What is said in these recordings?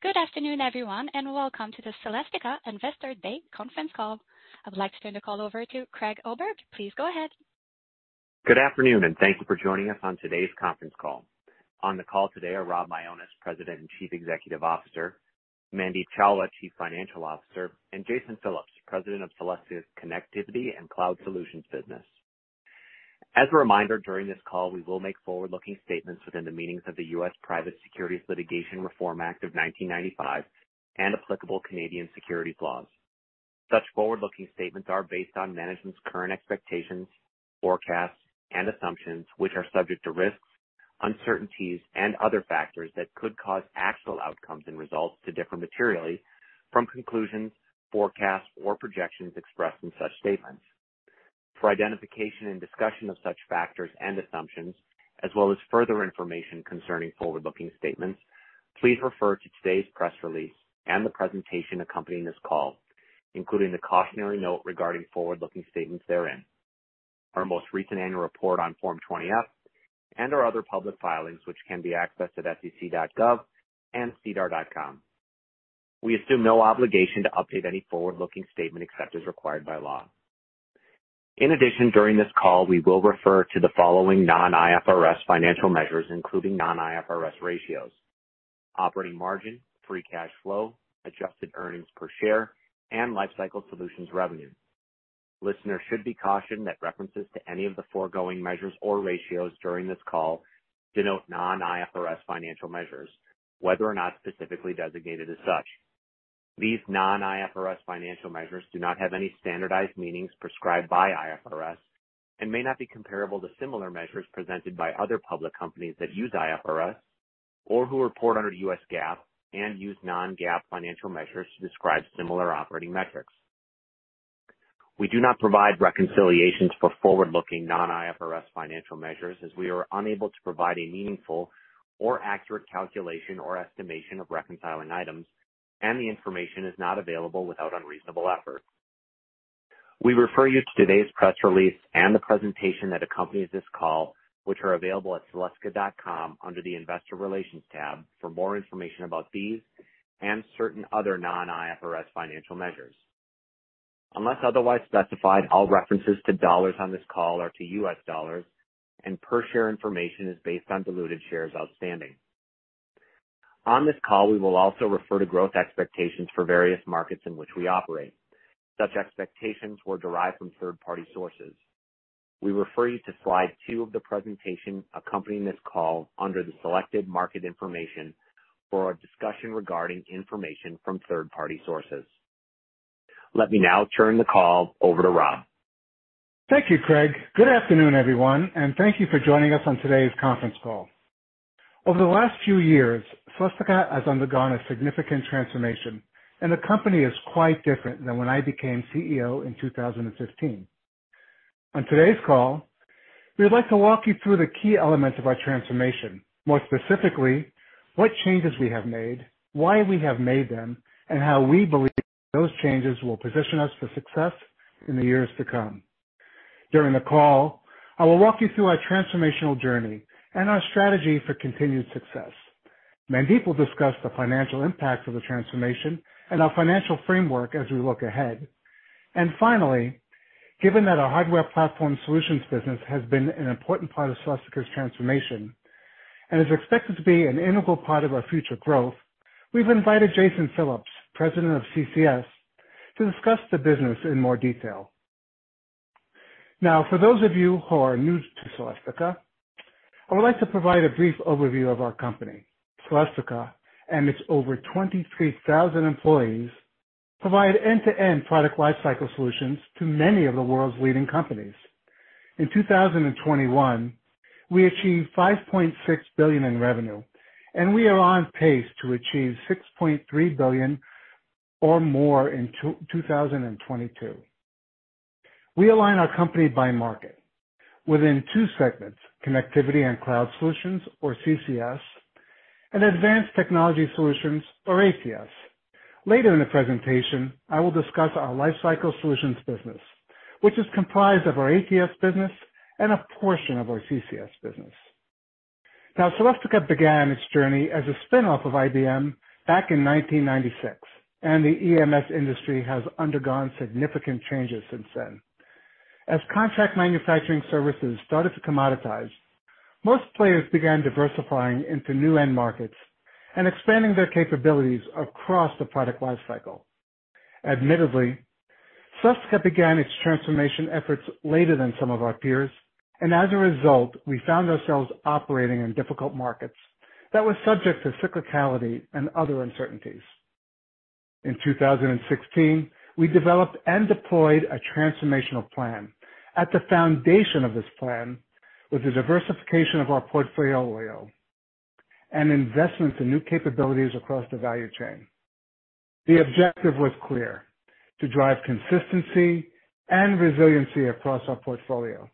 Good afternoon, everyone, and welcome to the Celestica Investor Day conference call. I would like to turn the call over to Craig Oberg. Please go ahead. Good afternoon, and thank you for joining us on today's conference call. On the call today are Rob Mionis, President and Chief Executive Officer, Mandeep Chawla, Chief Financial Officer, and Jason Phillips, President of Celestica's Connectivity and Cloud Solutions business. As a reminder, during this call, we will make forward-looking statements within the meanings of the U.S. Private Securities Litigation Reform Act of 1995 and applicable Canadian securities laws. Such forward-looking statements are based on management's current expectations, forecasts, and assumptions, which are subject to risks, uncertainties, and other factors that could cause actual outcomes and results to differ materially from conclusions, forecasts, or projections expressed in such statements. For identification and discussion of such factors and assumptions, as well as further information concerning forward-looking statements, please refer to today's press release and the presentation accompanying this call, including the cautionary note regarding forward-looking statements therein, our most recent annual report on Form 20-F, and our other public filings, which can be accessed at sec.gov and sedar.com. We assume no obligation to update any forward-looking statement except as required by law. In addition, during this call, we will refer to the following non-IFRS financial measures, including non-IFRS ratios: operating margin, free cash flow, adjusted earnings per share, and Lifecycle Solutions revenue. Listeners should be cautioned that references to any of the foregoing measures or ratios during this call denote non-IFRS financial measures, whether or not specifically designated as such. These non-IFRS financial measures do not have any standardized meanings prescribed by IFRS and may not be comparable to similar measures presented by other public companies that use IFRS or who report under the U.S. GAAP and use non-GAAP financial measures to describe similar operating metrics. We do not provide reconciliations for forward-looking non-IFRS financial measures, as we are unable to provide a meaningful or accurate calculation or estimation of reconciling items, and the information is not available without unreasonable effort. We refer you to today's press release and the presentation that accompanies this call, which are available at celestica.com under the Investor Relations tab for more information about these and certain other non-IFRS financial measures. Unless otherwise specified, all references to dollars on this call are to U.S. dollars, and per share information is based on diluted shares outstanding. On this call, we will also refer to growth expectations for various markets in which we operate. Such expectations were derived from third-party sources. We refer you to slide two of the presentation accompanying this call under the selected market information for a discussion regarding information from third-party sources. Let me now turn the call over to Rob. Thank you, Craig. Good afternoon, everyone, and thank you for joining us on today's conference call. Over the last few years, Celestica has undergone a significant transformation, and the company is quite different than when I became CEO in 2015. On today's call, we would like to walk you through the key elements of our transformation. More specifically, what changes we have made, why we have made them, and how we believe those changes will position us for success in the years to come. During the call, I will walk you through our transformational journey and our strategy for continued success. Mandeep will discuss the financial impact of the transformation and our financial framework as we look ahead. Finally, given that our hardware platform solutions business has been an important part of Celestica's transformation and is expected to be an integral part of our future growth, we've invited Jason Phillips, President of CCS, to discuss the business in more detail. Now, for those of you who are new to Celestica, I would like to provide a brief overview of our company. Celestica and its over 23,000 employees provide end-to-end product lifecycle solutions to many of the world's leading companies. In 2021, we achieved $5.6 billion in revenue, and we are on pace to achieve $6.3 billion or more in 2022. We align our company by market within two segments, Connectivity and Cloud Solutions or CCS, and Advanced Technology Solutions or ATS. Later in the presentation, I will discuss our Lifecycle Solutions business, which is comprised of our ATS business and a portion of our CCS business. Celestica began its journey as a spin-off of IBM back in 1996, and the EMS industry has undergone significant changes since then. Contract manufacturing services started to commoditize, most players began diversifying into new end markets and expanding their capabilities across the product lifecycle. Admittedly, Celestica began its transformation efforts later than some of our peers, and as a result, we found ourselves operating in difficult markets that were subject to cyclicality and other uncertainties. In 2016, we developed and deployed a transformational plan. At the foundation of this plan was the diversification of our portfolio and investment to new capabilities across the value chain. The objective was clear to drive consistency and resiliency across our portfolio.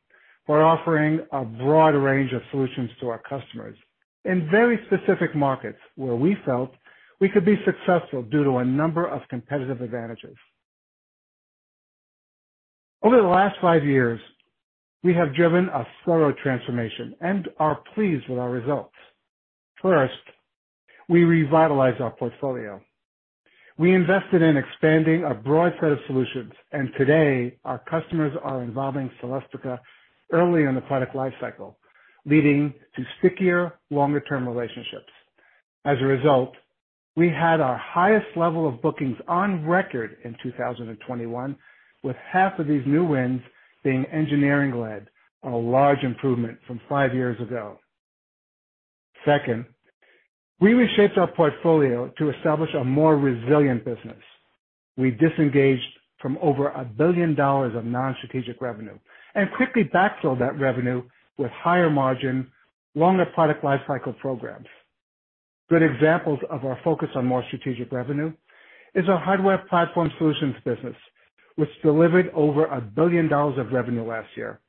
We're offering a broad range of solutions to our customers in very specific markets where we felt we could be successful due to a number of competitive advantages. Over the last five years, we have driven a thorough transformation and are pleased with our results. First, we revitalized our portfolio. We invested in expanding a broad set of solutions, and today our customers are involving Celestica early in the product life cycle, leading to stickier, longer-term relationships. As a result, we had our highest level of bookings on record in 2021, with half of these new wins being engineering-led, a large improvement from five years ago. Second, we reshaped our portfolio to establish a more resilient business. We disengaged from over $1 billion of non-strategic revenue and quickly backfilled that revenue with higher margin, longer product life cycle programs. Good examples of our focus on more strategic revenue is our Hardware Platform Solutions business, which delivered over $1 billion of revenue last year.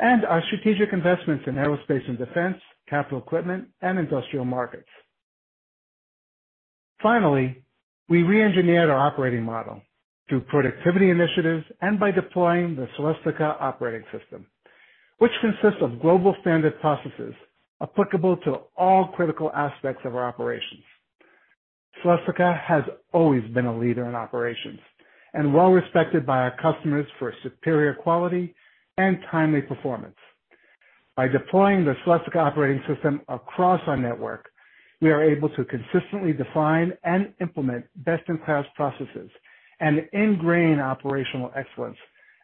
Our strategic investments in aerospace and defense, capital equipment, and industrial markets. Finally, we re-engineered our operating model through productivity initiatives and by deploying the Celestica Operating System, which consists of global standard processes applicable to all critical aspects of our operations. Celestica has always been a leader in operations and well-respected by our customers for superior quality and timely performance. By deploying the Celestica Operating System across our network, we are able to consistently define and implement best-in-class processes and ingrain operational excellence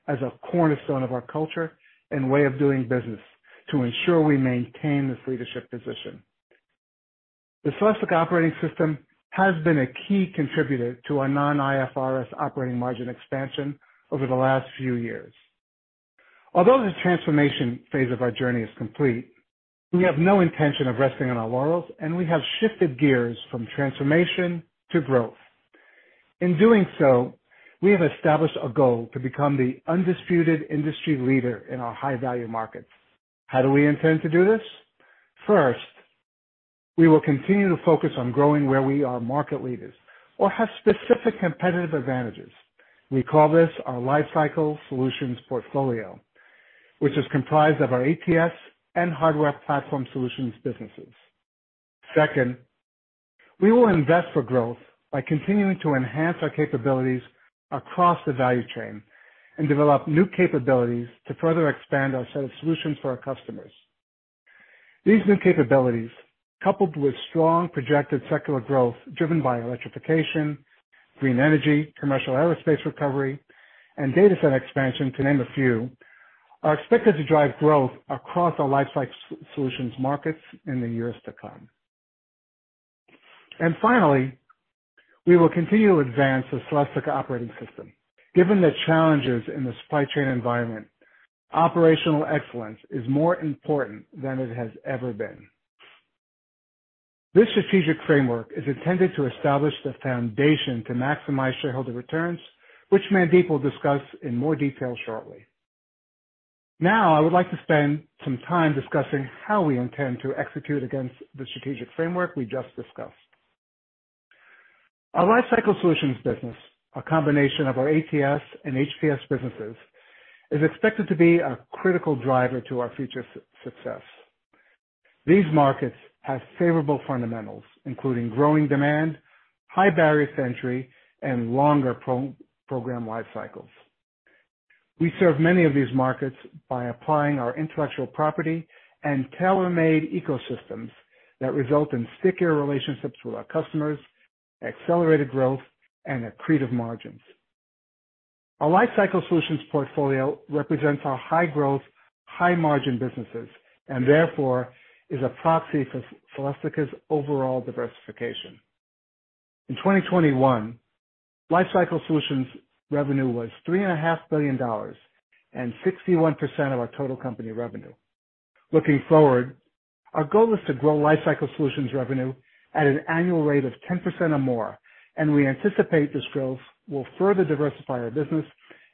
as a cornerstone of our culture and way of doing business to ensure we maintain this leadership position. The Celestica Operating System has been a key contributor to our non-IFRS operating margin expansion over the last few years. Although the transformation phase of our journey is complete, we have no intention of resting on our laurels, and we have shifted gears from transformation to growth. In doing so, we have established a goal to become the undisputed industry leader in our high-value markets. How do we intend to do this? First, we will continue to focus on growing where we are market leaders or have specific competitive advantages. We call this our Lifecycle Solutions portfolio, which is comprised of our ATS and Hardware Platform Solutions businesses. Second, we will invest for growth by continuing to enhance our capabilities across the value chain and develop new capabilities to further expand our set of solutions for our customers. These new capabilities, coupled with strong projected secular growth driven by electrification, green energy, commercial aerospace recovery, and data set expansion, to name a few, are expected to drive growth across our Lifecycle Solutions markets in the years to come. Finally, we will continue to advance the Celestica Operating System. Given the challenges in the supply chain environment, operational excellence is more important than it has ever been. This strategic framework is intended to establish the foundation to maximize shareholder returns, which Mandeep will discuss in more detail shortly. Now, I would like to spend some time discussing how we intend to execute against the strategic framework we just discussed. Our Lifecycle Solutions business, a combination of our ATS and HPS businesses, is expected to be a critical driver to our future success. These markets have favorable fundamentals, including growing demand, high barriers to entry, and longer program life cycles. We serve many of these markets by applying our intellectual property and tailor-made ecosystems that result in stickier relationships with our customers, accelerated growth, and accretive margins. Our Lifecycle Solutions portfolio represents our high-growth, high-margin businesses and therefore is a proxy for Celestica's overall diversification. In 2021, Lifecycle Solutions revenue was $3.5 billion and 61% of our total company revenue. Looking forward, our goal is to grow Lifecycle Solutions revenue at an annual rate of 10% or more, and we anticipate this growth will further diversify our business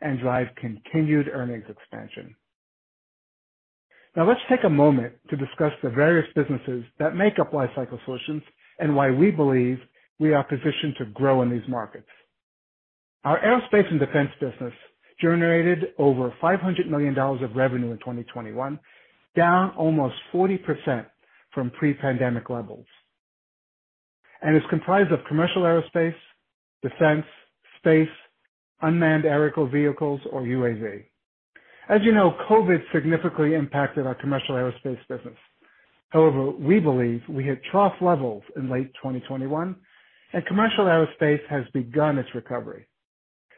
and drive continued earnings expansion. Now, let's take a moment to discuss the various businesses that make up Lifecycle Solutions and why we believe we are positioned to grow in these markets. Our aerospace and defense business generated over $500 million of revenue in 2021, down almost 40% from pre-pandemic levels, and is comprised of commercial aerospace, defense, space, unmanned aerial vehicles, or UAV. As you know, COVID significantly impacted our commercial aerospace business. However, we believe we hit trough levels in late 2021, and commercial aerospace has begun its recovery.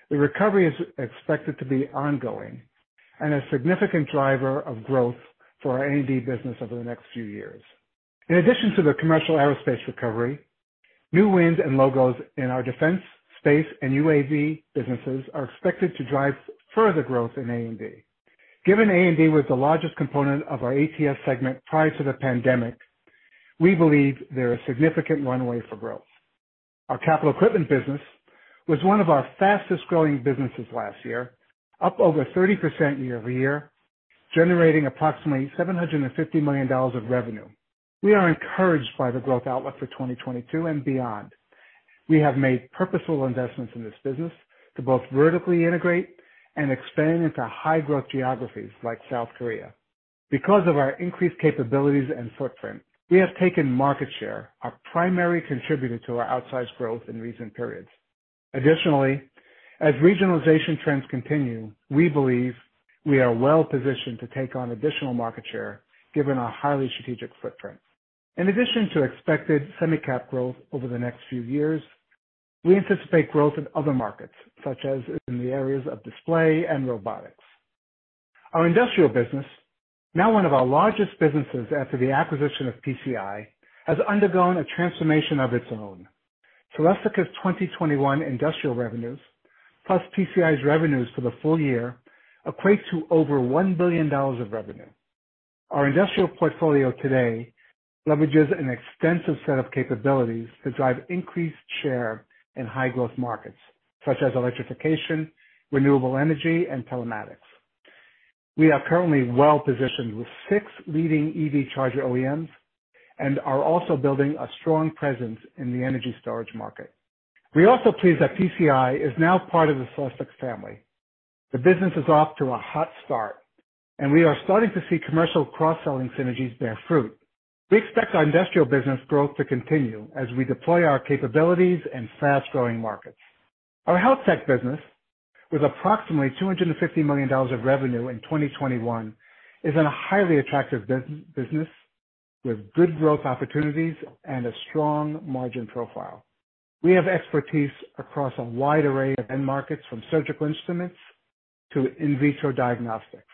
The recovery is expected to be ongoing and a significant driver of growth for our A&D business over the next few years. In addition to the commercial aerospace recovery, new wins and logos in our defense, space, and UAV businesses are expected to drive further growth in A&D. Given A&D was the largest component of our ATS segment prior to the pandemic, we believe there is significant runway for growth. Our capital equipment business was one of our fastest-growing businesses last year, up over 30% year-over-year, generating approximately $750 million of revenue. We are encouraged by the growth outlook for 2022 and beyond. We have made purposeful investments in this business to both vertically integrate and expand into high growth geographies like South Korea. Because of our increased capabilities and footprint, we have taken market share, our primary contributor to our outsized growth in recent periods. Additionally, as regionalization trends continue, we believe we are well positioned to take on additional market share given our highly strategic footprint. In addition to expected semi cap growth over the next few years, we anticipate growth in other markets such as in the areas of display and robotics. Our industrial business, now one of our largest businesses after the acquisition of PCI, has undergone a transformation of its own. Celestica's 2021 industrial revenues, plus PCI's revenues for the full year, equates to over $1 billion of revenue. Our industrial portfolio today leverages an extensive set of capabilities to drive increased share in high growth markets such as electrification, renewable energy, and telematics. We are currently well positioned with six leading EV charger OEMs and are also building a strong presence in the energy storage market. We are also pleased that PCI is now part of the Celestica family. The business is off to a hot start, and we are starting to see commercial cross-selling synergies bear fruit. We expect our industrial business growth to continue as we deploy our capabilities in fast-growing markets. Our health tech business, with approximately $250 million of revenue in 2021, is in a highly attractive business with good growth opportunities and a strong margin profile. We have expertise across a wide array of end markets, from surgical instruments to in vitro diagnostics.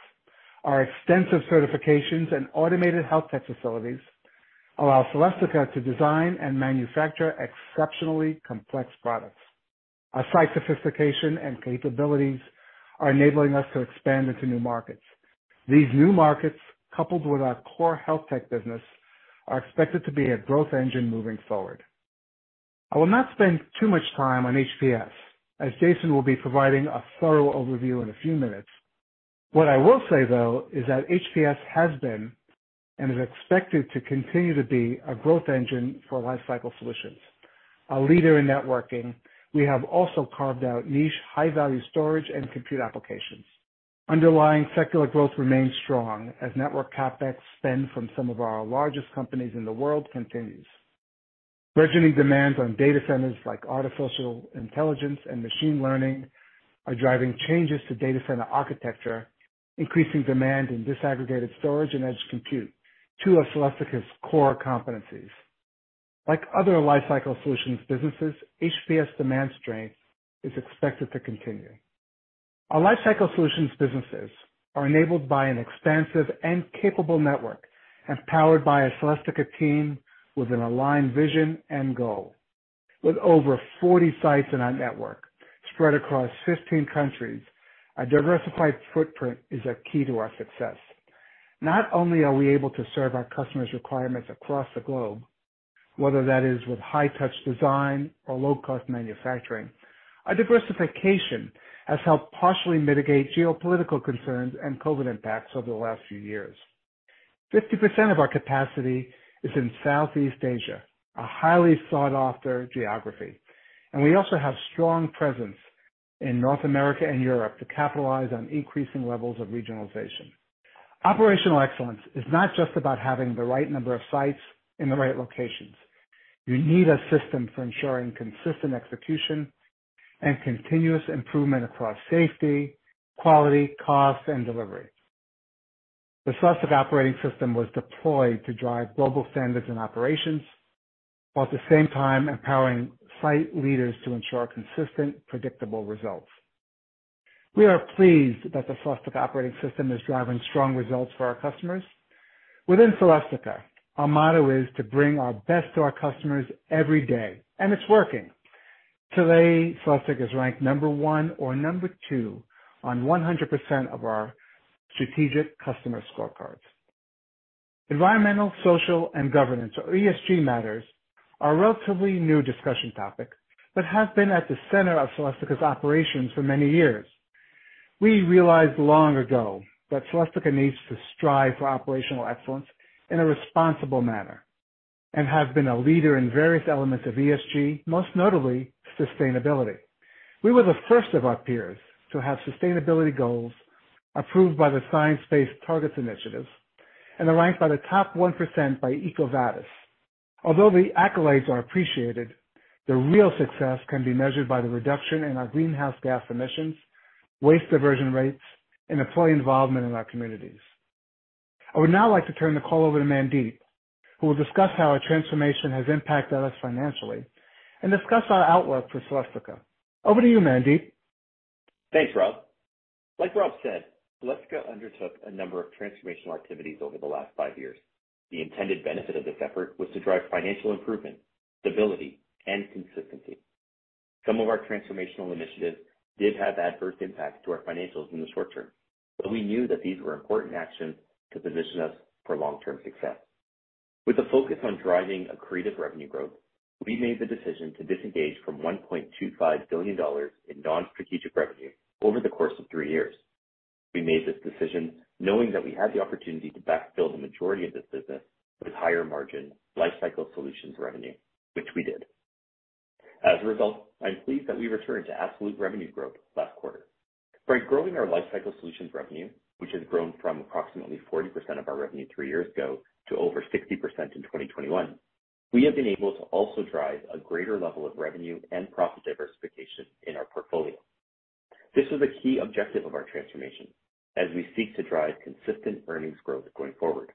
Our extensive certifications and automated health tech facilities allow Celestica to design and manufacture exceptionally complex products. Our site sophistication and capabilities are enabling us to expand into new markets. These new markets, coupled with our core health tech business, are expected to be a growth engine moving forward. I will not spend too much time on HPS, as Jason will be providing a thorough overview in a few minutes. What I will say, though, is that HPS has been, and is expected to continue to be, a growth engine for Lifecycle Solutions. A leader in networking, we have also carved out niche high-value storage and compute applications. Underlying secular growth remains strong as network CapEx spend from some of our largest companies in the world continues. Burgeoning demands on data centers like artificial intelligence and machine learning are driving changes to data center architecture, increasing demand in disaggregated storage and edge compute, two of Celestica's core competencies. Like other Lifecycle Solutions businesses, HPS demand strength is expected to continue. Our Lifecycle Solutions businesses are enabled by an expansive and capable network and powered by a Celestica team with an aligned vision and goal. With over 40 sites in our network spread across 15 countries, our diversified footprint is a key to our success. Not only are we able to serve our customers' requirements across the globe, whether that is with high-touch design or low-cost manufacturing, our diversification has helped partially mitigate geopolitical concerns and COVID impacts over the last few years. 50% of our capacity is in Southeast Asia, a highly sought-after geography, and we also have strong presence in North America and Europe to capitalize on increasing levels of regionalization. Operational excellence is not just about having the right number of sites in the right locations. You need a system for ensuring consistent execution and continuous improvement across safety, quality, cost, and delivery. The Celestica Operating System was deployed to drive global standards and operations, while at the same time empowering site leaders to ensure consistent, predictable results. We are pleased that the Celestica Operating System is driving strong results for our customers. Within Celestica, our motto is to bring our best to our customers every day, and it's working. Today, Celestica is ranked number one or number two on 100% of our strategic customer scorecards. Environmental, social, and governance, or ESG matters, are a relatively new discussion topic, but have been at the center of Celestica's operations for many years. We realized long ago that Celestica needs to strive for operational excellence in a responsible manner, and have been a leader in various elements of ESG, most notably sustainability. We were the first of our peers to have sustainability goals approved by the Science Based Targets initiative and are ranked in the top 1% by EcoVadis. Although the accolades are appreciated, the real success can be measured by the reduction in our greenhouse gas emissions, waste diversion rates, and employee involvement in our communities. I would now like to turn the call over to Mandeep, who will discuss how our transformation has impacted us financially and discuss our outlook for Celestica. Over to you, Mandeep. Thanks, Rob. Like Rob said, Celestica undertook a number of transformational activities over the last five years. The intended benefit of this effort was to drive financial improvement, stability, and consistency. Some of our transformational initiatives did have adverse impacts to our financials in the short term, but we knew that these were important actions to position us for long-term success. With a focus on driving accretive revenue growth, we made the decision to disengage from $1.25 billion in non-strategic revenue over the course of three years. We made this decision knowing that we had the opportunity to backfill the majority of this business with higher margin Lifecycle Solutions revenue, which we did. As a result, I'm pleased that we returned to absolute revenue growth last quarter. By growing our Lifecycle Solutions revenue, which has grown from approximately 40% of our revenue three years ago to over 60% in 2021, we have been able to also drive a greater level of revenue and profit diversification in our portfolio. This was a key objective of our transformation as we seek to drive consistent earnings growth going forward.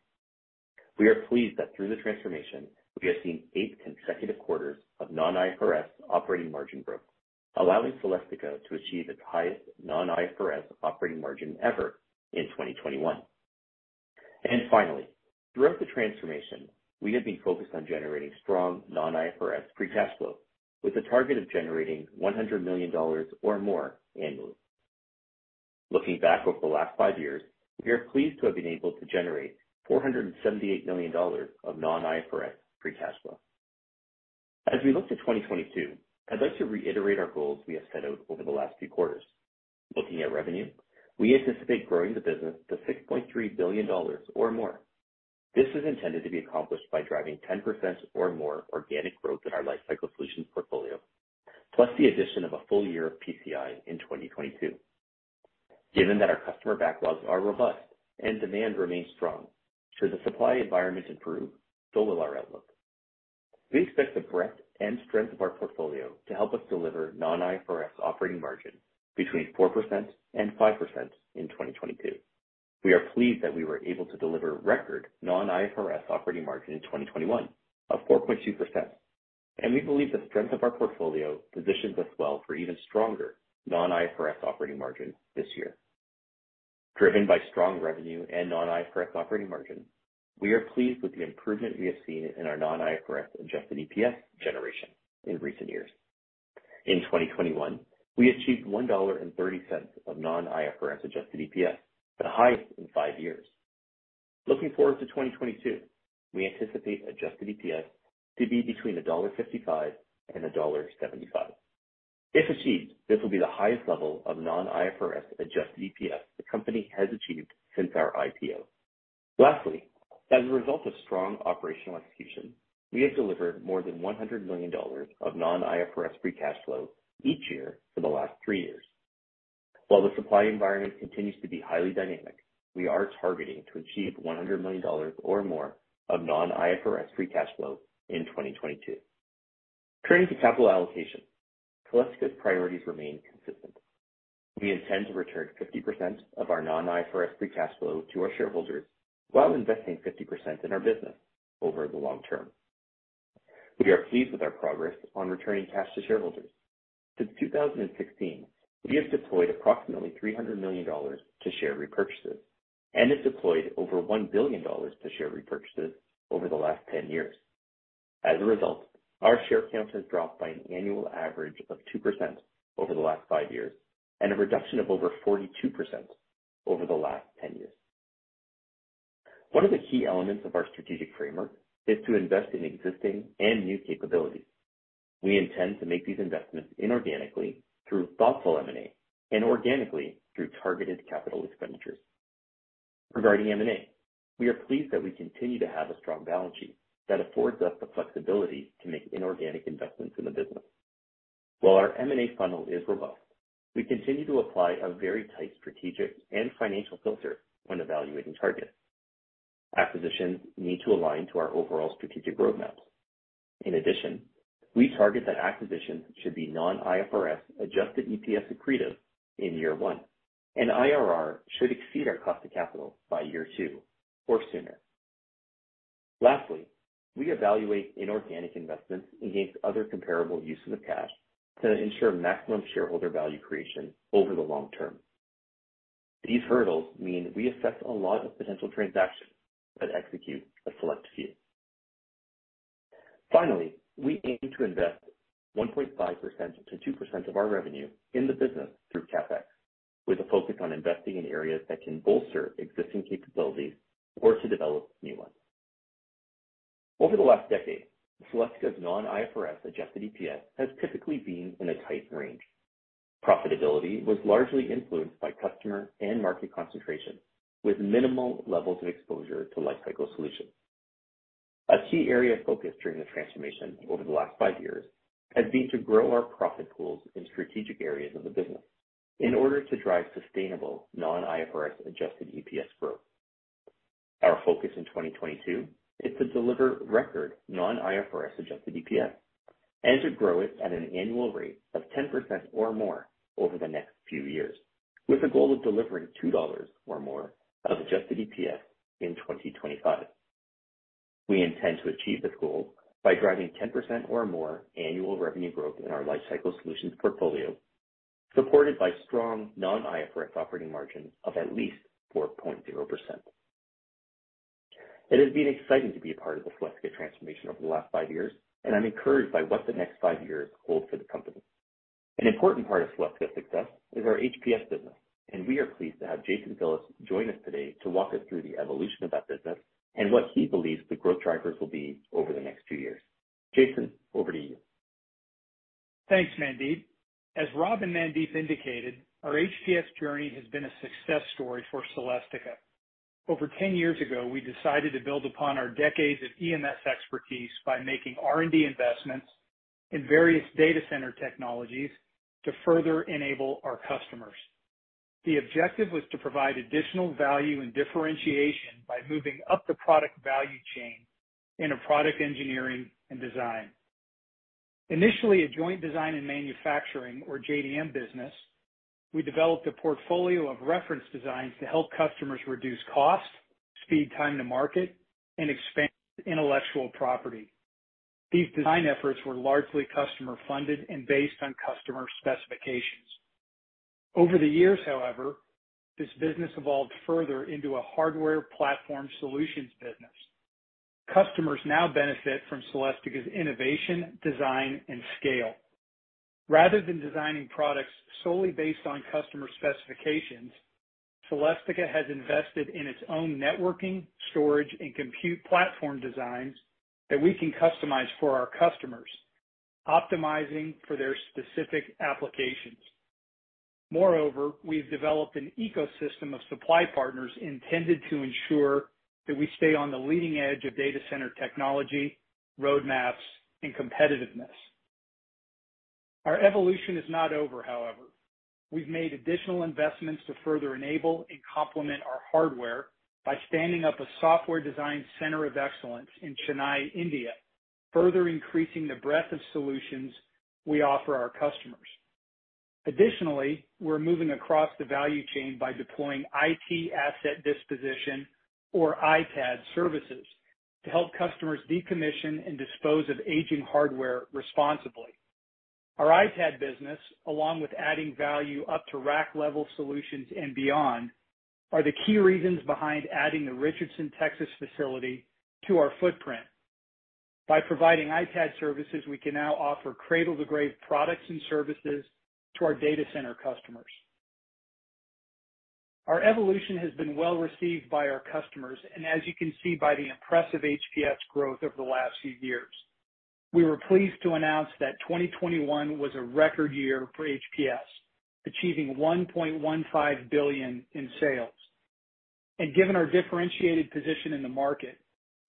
We are pleased that through the transformation, we have seen eight consecutive quarters of non-IFRS operating margin growth, allowing Celestica to achieve its highest non-IFRS operating margin ever in 2021. Finally, throughout the transformation, we have been focused on generating strong non-IFRS free cash flow with a target of generating $100 million or more annually. Looking back over the last five years, we are pleased to have been able to generate $478 million of non-IFRS free cash flow. As we look to 2022, I'd like to reiterate our goals we have set out over the last few quarters. Looking at revenue, we anticipate growing the business to $6.3 billion or more. This is intended to be accomplished by driving 10% or more organic growth in our Lifecycle Solutions portfolio, plus the addition of a full year of PCI in 2022. Given that our customer backlogs are robust and demand remains strong, should the supply environment improve, so will our outlook. We expect the breadth and strength of our portfolio to help us deliver non-IFRS operating margin between 4%-5% in 2022. We are pleased that we were able to deliver record non-IFRS operating margin in 2021 of 4.2%, and we believe the strength of our portfolio positions us well for even stronger non-IFRS operating margin this year. Driven by strong revenue and non-IFRS operating margin, we are pleased with the improvement we have seen in our non-IFRS adjusted EPS generation in recent years. In 2021, we achieved $1.30 of non-IFRS adjusted EPS, the highest in five years. Looking forward to 2022, we anticipate adjusted EPS to be between $1.55 and $1.75. If achieved, this will be the highest level of non-IFRS adjusted EPS the company has achieved since our IPO. Lastly, as a result of strong operational execution, we have delivered more than $100 million of non-IFRS free cash flow each year for the last three years. While the supply environment continues to be highly dynamic, we are targeting to achieve $100 million or more of non-IFRS free cash flow in 2022. Turning to capital allocation, Celestica's priorities remain consistent. We intend to return 50% of our non-IFRS free cash flow to our shareholders while investing 50% in our business over the long term. We are pleased with our progress on returning cash to shareholders. Since 2016, we have deployed approximately $300 million to share repurchases and have deployed over $1 billion to share repurchases over the last 10 years. As a result, our share count has dropped by an annual average of 2% over the last five years, and a reduction of over 42% over the last 10 years. One of the key elements of our strategic framework is to invest in existing and new capabilities. We intend to make these investments inorganically through thoughtful M&A and organically through targeted capital expenditures. Regarding M&A, we are pleased that we continue to have a strong balance sheet that affords us the flexibility to make inorganic investments in the business. While our M&A funnel is robust, we continue to apply a very tight strategic and financial filter when evaluating targets. Acquisitions need to align to our overall strategic roadmap. In addition, we target that acquisitions should be non-IFRS adjusted EPS accretive in year one, and IRR should exceed our cost of capital by year two or sooner. Lastly, we evaluate inorganic investments against other comparable uses of cash to ensure maximum shareholder value creation over the long term. These hurdles mean we assess a lot of potential transactions but execute a select few. Finally, we aim to invest 1.5%-2% of our revenue in the business through CapEx, with a focus on investing in areas that can bolster existing capabilities or to develop new ones. Over the last decade, Celestica's non-IFRS adjusted EPS has typically been in a tight range. Profitability was largely influenced by customer and market concentration, with minimal levels of exposure to Lifecycle Solutions. A key area of focus during the transformation over the last five years has been to grow our profit pools in strategic areas of the business in order to drive sustainable non-IFRS adjusted EPS growth. Our focus in 2022 is to deliver record non-IFRS adjusted EPS and to grow it at an annual rate of 10% or more over the next few years, with a goal of delivering $2 or more of adjusted EPS in 2025. We intend to achieve this goal by driving 10% or more annual revenue growth in our Lifecycle Solutions portfolio, supported by strong non-IFRS operating margin of at least 4.0%. It has been exciting to be a part of the Celestica transformation over the last five years, and I'm encouraged by what the next five years hold for the company. An important part of Celestica's success is our HPS business, and we are pleased to have Jason Phillips join us today to walk us through the evolution of that business and what he believes the growth drivers will be over the next few years. Jason, over to you. Thanks, Mandeep. As Rob and Mandeep indicated, our HPS journey has been a success story for Celestica. Over 10 years ago, we decided to build upon our decades of EMS expertise by making R&D investments in various data center technologies to further enable our customers. The objective was to provide additional value and differentiation by moving up the product value chain into product engineering and design. Initially, as a joint design and manufacturing or JDM business, we developed a portfolio of reference designs to help customers reduce cost, speed time to market, and expand intellectual property. These design efforts were largely customer-funded and based on customer specifications. Over the years, however, this business evolved further into a Hardware Platform Solutions business. Customers now benefit from Celestica's innovation, design, and scale. Rather than designing products solely based on customer specifications, Celestica has invested in its own networking, storage, and compute platform designs that we can customize for our customers, optimizing for their specific applications. Moreover, we've developed an ecosystem of supply partners intended to ensure that we stay on the leading edge of data center technology, roadmaps, and competitiveness. Our evolution is not over, however. We've made additional investments to further enable and complement our hardware by standing up a software design center of excellence in Chennai, India, further increasing the breadth of solutions we offer our customers. Additionally, we're moving across the value chain by deploying IT Asset Disposition or ITAD services to help customers decommission and dispose of aging hardware responsibly. Our ITAD business, along with adding value up to rack-level solutions and beyond, are the key reasons behind adding the Richardson, Texas, facility to our footprint. By providing ITAD services, we can now offer cradle-to-grave products and services to our data center customers. Our evolution has been well received by our customers, and as you can see by the impressive HPS growth over the last few years. We were pleased to announce that 2021 was a record year for HPS, achieving $1.15 billion in sales. Given our differentiated position in the market,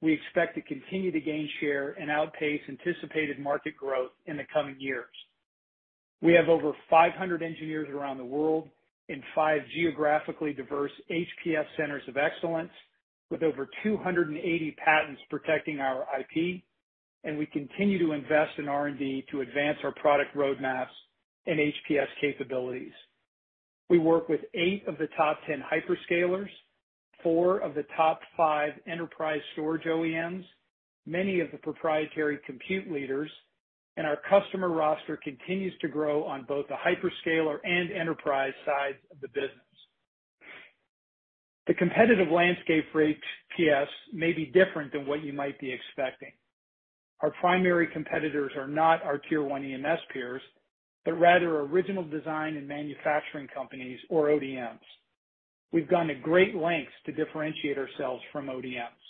we expect to continue to gain share and outpace anticipated market growth in the coming years. We have over 500 engineers around the world in five geographically diverse HPS centers of excellence with over 280 patents protecting our IP, and we continue to invest in R&D to advance our product roadmaps and HPS capabilities. We work with eight of the top 10 hyperscalers, four of the top five enterprise storage OEMs, many of the proprietary compute leaders, and our customer roster continues to grow on both the hyperscaler and enterprise sides of the business. The competitive landscape for HPS may be different than what you might be expecting. Our primary competitors are not our tier one EMS peers, but rather original design and manufacturing companies or ODMs. We've gone to great lengths to differentiate ourselves from ODMs.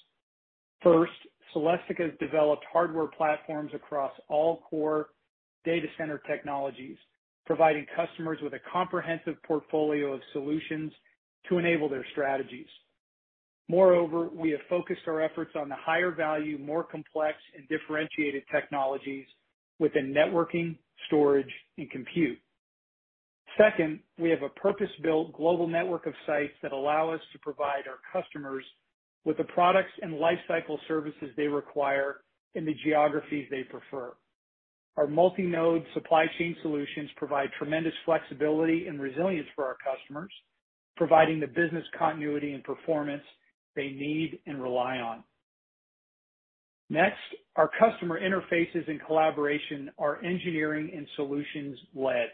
First, Celestica has developed hardware platforms across all core data center technologies, providing customers with a comprehensive portfolio of solutions to enable their strategies. Moreover, we have focused our efforts on the higher value, more complex, and differentiated technologies within networking, storage, and compute. Second, we have a purpose-built global network of sites that allow us to provide our customers with the products and lifecycle services they require in the geographies they prefer. Our multi-node supply chain solutions provide tremendous flexibility and resilience for our customers, providing the business continuity and performance they need and rely on. Next, our customer interfaces and collaboration are engineering and solutions-led.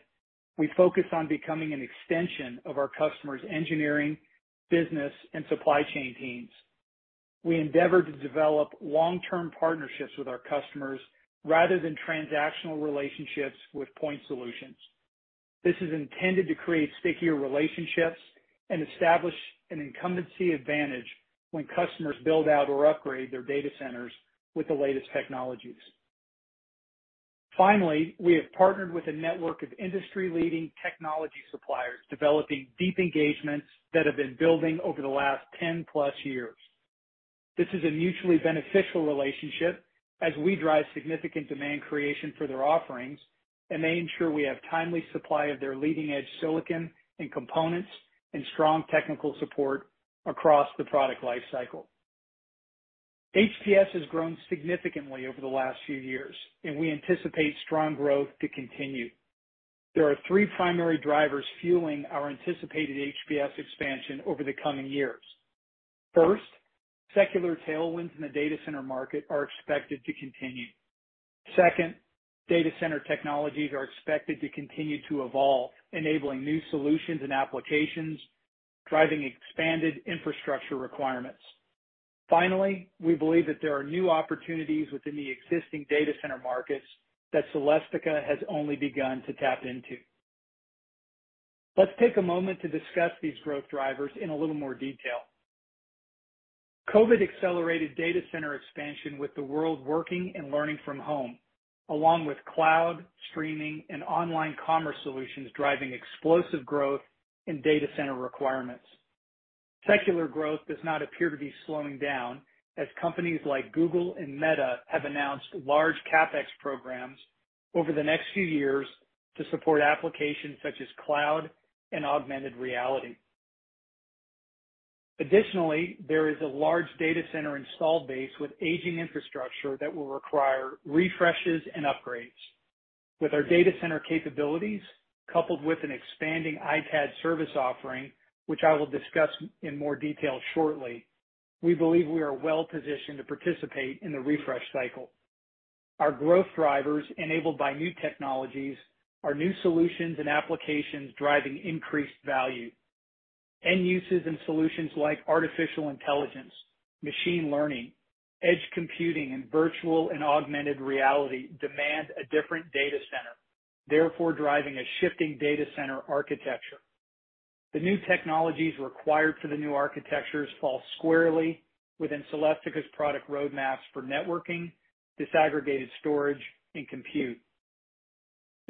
We focus on becoming an extension of our customers' engineering, business, and supply chain teams. We endeavor to develop long-term partnerships with our customers rather than transactional relationships with point solutions. This is intended to create stickier relationships and establish an incumbency advantage when customers build out or upgrade their data centers with the latest technologies. Finally, we have partnered with a network of industry-leading technology suppliers, developing deep engagements that have been building over the last 10+ years. This is a mutually beneficial relationship as we drive significant demand creation for their offerings, and they ensure we have timely supply of their leading-edge silicon and components and strong technical support across the product life cycle. HPS has grown significantly over the last few years, and we anticipate strong growth to continue. There are three primary drivers fueling our anticipated HPS expansion over the coming years. First, secular tailwinds in the data center market are expected to continue. Second, data center technologies are expected to continue to evolve, enabling new solutions and applications, driving expanded infrastructure requirements. Finally, we believe that there are new opportunities within the existing data center markets that Celestica has only begun to tap into. Let's take a moment to discuss these growth drivers in a little more detail. COVID accelerated data center expansion with the world working and learning from home, along with cloud, streaming, and online commerce solutions driving explosive growth in data center requirements. Secular growth does not appear to be slowing down as companies like Google and Meta have announced large CapEx programs over the next few years to support applications such as cloud and augmented reality. Additionally, there is a large data center installed base with aging infrastructure that will require refreshes and upgrades. With our data center capabilities, coupled with an expanding ITAD service offering, which I will discuss in more detail shortly, we believe we are well-positioned to participate in the refresh cycle. Our growth drivers, enabled by new technologies, are new solutions and applications driving increased value. End uses and solutions like artificial intelligence, machine learning, edge computing, and virtual and augmented reality demand a different data center, therefore driving a shifting data center architecture. The new technologies required for the new architectures fall squarely within Celestica's product roadmaps for networking, disaggregated storage, and compute.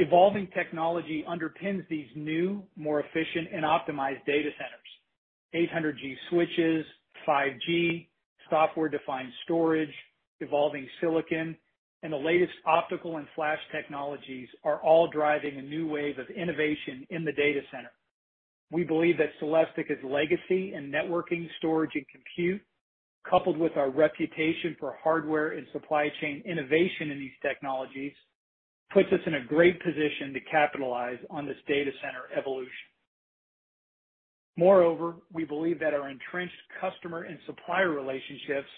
Evolving technology underpins these new, more efficient, and optimized data centers. 800G switches, 5G, software-defined storage, evolving silicon, and the latest optical and flash technologies are all driving a new wave of innovation in the data center. We believe that Celestica's legacy in networking, storage, and compute, coupled with our reputation for hardware and supply chain innovation in these technologies, puts us in a great position to capitalize on this data center evolution. Moreover, we believe that our entrenched customer and supplier relationships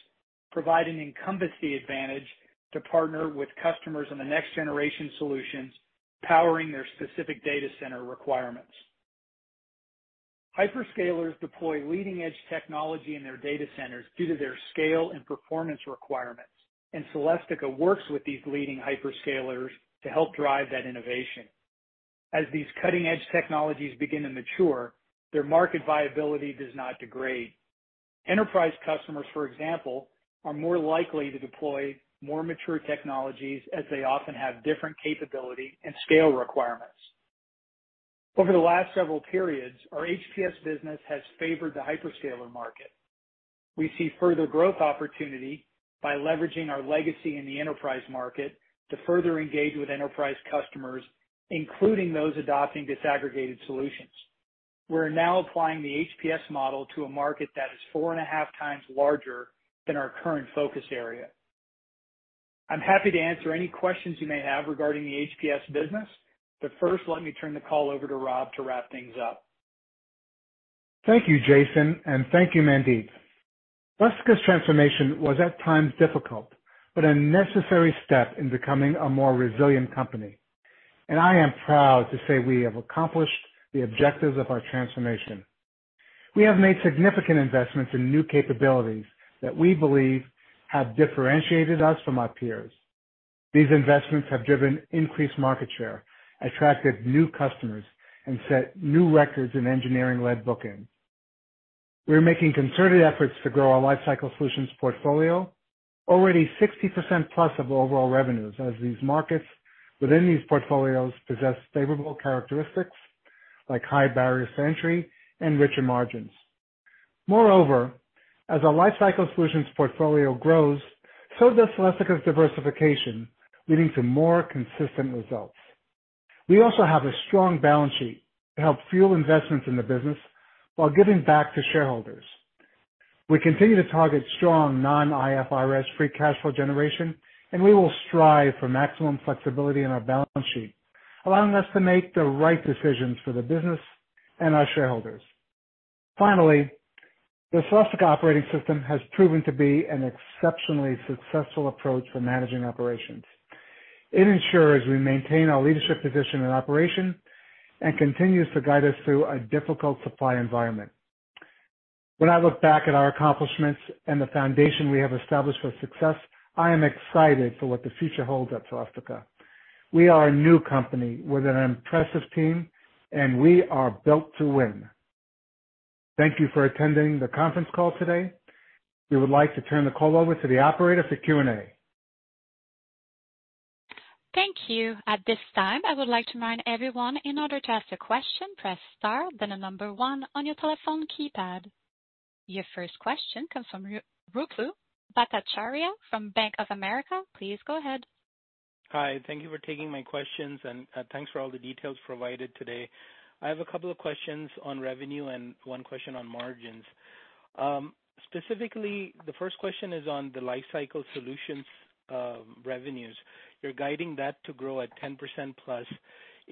provide an incumbency advantage to partner with customers in the next-generation solutions, powering their specific data center requirements. Hyperscalers deploy leading-edge technology in their data centers due to their scale and performance requirements, and Celestica works with these leading hyperscalers to help drive that innovation. As these cutting-edge technologies begin to mature, their market viability does not degrade. Enterprise customers, for example, are more likely to deploy more mature technologies as they often have different capability and scale requirements. Over the last several periods, our HPS business has favored the hyperscaler market. We see further growth opportunity by leveraging our legacy in the enterprise market to further engage with enterprise customers, including those adopting disaggregated solutions. We're now applying the HPS model to a market that is four and a half times larger than our current focus area. I'm happy to answer any questions you may have regarding the HPS business, but first, let me turn the call over to Rob to wrap things up. Thank you, Jason, and thank you, Mandeep. Celestica's transformation was at times difficult, but a necessary step in becoming a more resilient company, and I am proud to say we have accomplished the objectives of our transformation. We have made significant investments in new capabilities that we believe have differentiated us from our peers. These investments have driven increased market share, attracted new customers, and set new records in engineering-led bookings. We're making concerted efforts to grow our Lifecycle Solutions portfolio, already 60%+ of overall revenues, as these markets within these portfolios possess favorable characteristics like high barriers to entry and richer margins. Moreover, as our Lifecycle Solutions portfolio grows, so does Celestica's diversification, leading to more consistent results. We also have a strong balance sheet to help fuel investments in the business while giving back to shareholders. We continue to target strong non-IFRS free cash flow generation, and we will strive for maximum flexibility in our balance sheet, allowing us to make the right decisions for the business and our shareholders. Finally, the Celestica Operating System has proven to be an exceptionally successful approach for managing operations. It ensures we maintain our leadership position in operation and continues to guide us through a difficult supply environment. When I look back at our accomplishments and the foundation we have established for success, I am excited for what the future holds at Celestica. We are a new company with an impressive team, and we are built to win. Thank you for attending the conference call today. We would like to turn the call over to the operator for Q&A. Thank you. At this time, I would like to remind everyone in order to ask a question, press star, then the number one on your telephone keypad. Your first question comes from Ruplu Bhattacharya from Bank of America. Please go ahead. Hi, thank you for taking my questions, and thanks for all the details provided today. I have a couple of questions on revenue and one question on margins. Specifically, the first question is on the Lifecycle Solutions revenues. You're guiding that to grow at 10%+.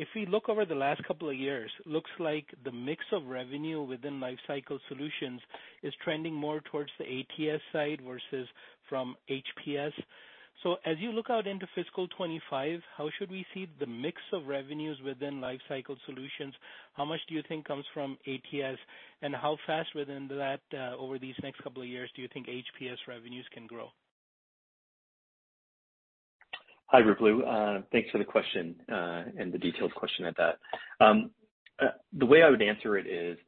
If we look over the last couple of years, looks like the mix of revenue within Lifecycle Solutions is trending more towards the ATS side versus from HPS. As you look out into fiscal 2025, how should we see the mix of revenues within Lifecycle Solutions? How much do you think comes from ATS, and how fast within that, over these next couple of years, do you think HPS revenues can grow? Hi, Ruplu. Thanks for the question, and the detailed question at that. The way I would answer it is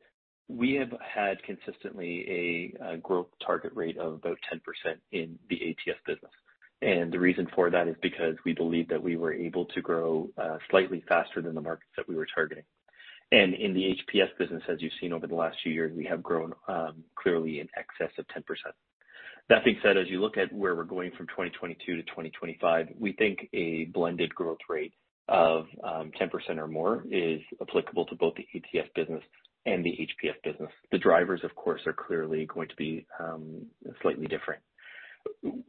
we have had consistently a growth target rate of about 10% in the ATS business. The reason for that is because we believe that we were able to grow slightly faster than the markets that we were targeting. In the HPS business, as you've seen over the last few years, we have grown clearly in excess of 10%. That being said, as you look at where we're going from 2022 to 2025, we think a blended growth rate of 10% or more is applicable to both the ATS business and the HPS business. The drivers, of course, are clearly going to be slightly different.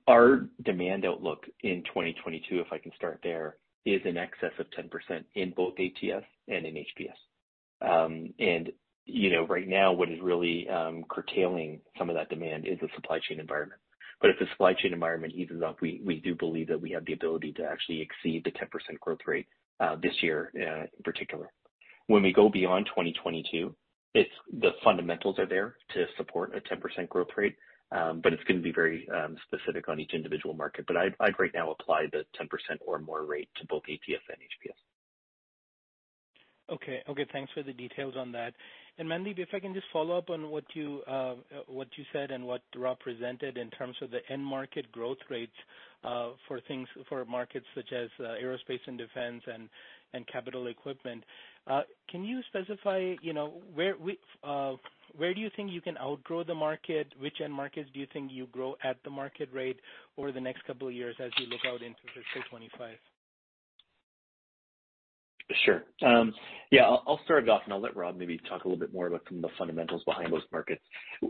Our demand outlook in 2022, if I can start there, is in excess of 10% in both ATS and in HPS. You know, right now what is really curtailing some of that demand is the supply chain environment. If the supply chain environment eases up, we do believe that we have the ability to actually exceed the 10% growth rate, this year, in particular. When we go beyond 2022, the fundamentals are there to support a 10% growth rate, but it's gonna be very specific on each individual market. I'd right now apply the 10% or more rate to both ATS and HPS. Okay. Okay, thanks for the details on that. Mandeep, if I can just follow up on what you said and what Rob presented in terms of the end market growth rates, for markets such as aerospace and defense and capital equipment. Can you specify, you know, where do you think you can outgrow the market? Which end markets do you think you grow at the market rate over the next couple of years as you look out into fiscal 2025? Sure. Yeah, I'll start off and I'll let Rob maybe talk a little bit more about some of the fundamentals behind those markets.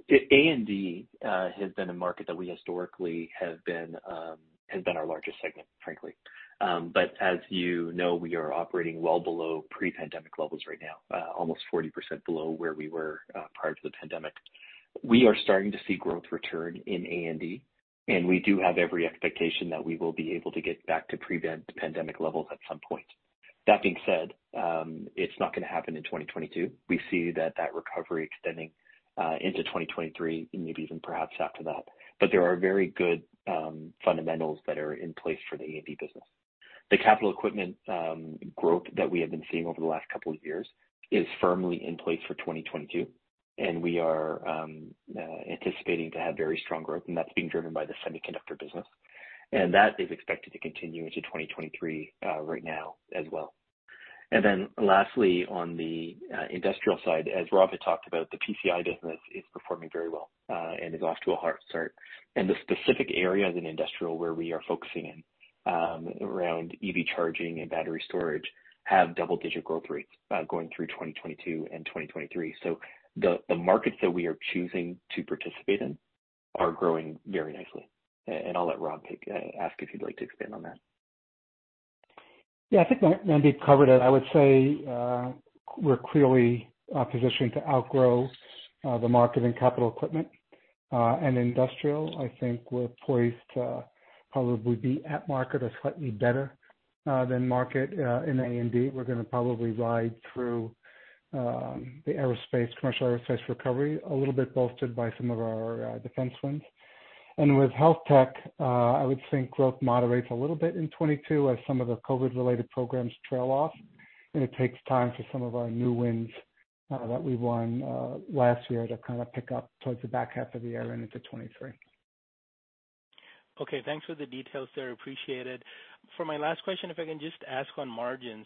A&D has been our largest segment, frankly. As you know, we are operating well below pre-pandemic levels right now, almost 40% below where we were prior to the pandemic. We are starting to see growth return in A&D, and we do have every expectation that we will be able to get back to pre-pandemic levels at some point. That being said, it's not gonna happen in 2022. We see that recovery extending into 2023 and maybe even perhaps after that. There are very good fundamentals that are in place for the A&D business. The capital equipment growth that we have been seeing over the last couple of years is firmly in place for 2022, and we are anticipating to have very strong growth, and that's being driven by the semiconductor business. That is expected to continue into 2023 right now as well. Lastly, on the industrial side, as Rob had talked about, the PCI business is performing very well and is off to a hot start. The specific areas in industrial where we are focusing in around EV charging and battery storage have double-digit growth rates going through 2022 and 2023. The markets that we are choosing to participate in are growing very nicely. I'll let Rob take it if you'd like to expand on that. Yeah. I think Mandeep covered it. I would say, we're clearly positioned to outgrow the market in Capital Equipment. In Industrial, I think we're poised to probably be at market or slightly better than market. In A&D, we're gonna probably ride through the aerospace, commercial aerospace recovery a little bit bolstered by some of our defense wins. With HealthTech, I would think growth moderates a little bit in 2022 as some of the COVID related programs trail off, and it takes time for some of our new wins that we won last year to kind of pick up towards the back half of the year and into 2023. Okay. Thanks for the details there. Appreciated. For my last question, if I can just ask on margins.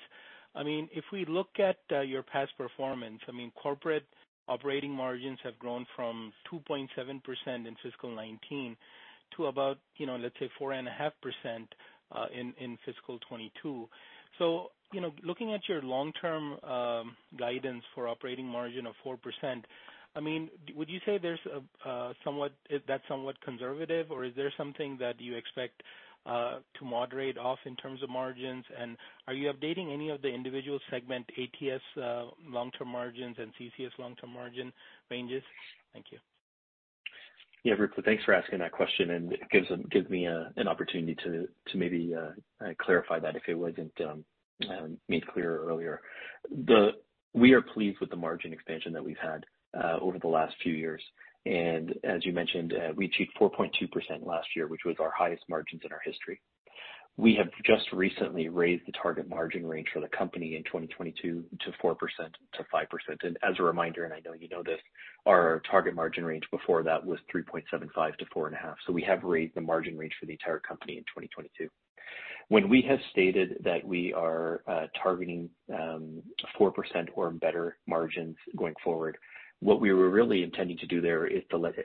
I mean, if we look at your past performance, I mean, corporate operating margins have grown from 2.7% in fiscal 2019 to about, you know, let's say 4.5%, in fiscal 2022. You know, looking at your long-term guidance for operating margin of 4%, I mean, would you say is that somewhat conservative or is there something that you expect to moderate off in terms of margins? And are you updating any of the individual segment ATS long-term margins and CCS long-term margin ranges? Thank you. Yeah, Ruplu, thanks for asking that question, and it gives me an opportunity to maybe clarify that if it wasn't made clear earlier. We are pleased with the margin expansion that we've had over the last few years, and as you mentioned, we achieved 4.2% last year, which was our highest margins in our history. We have just recently raised the target margin range for the company in 2022 to 4%-5%. As a reminder, and I know you know this, our target margin range before that was 3.75%-4.5%, so we have raised the margin range for the entire company in 2022. When we have stated that we are targeting 4% or better margins going forward, what we were really intending to do there is to let you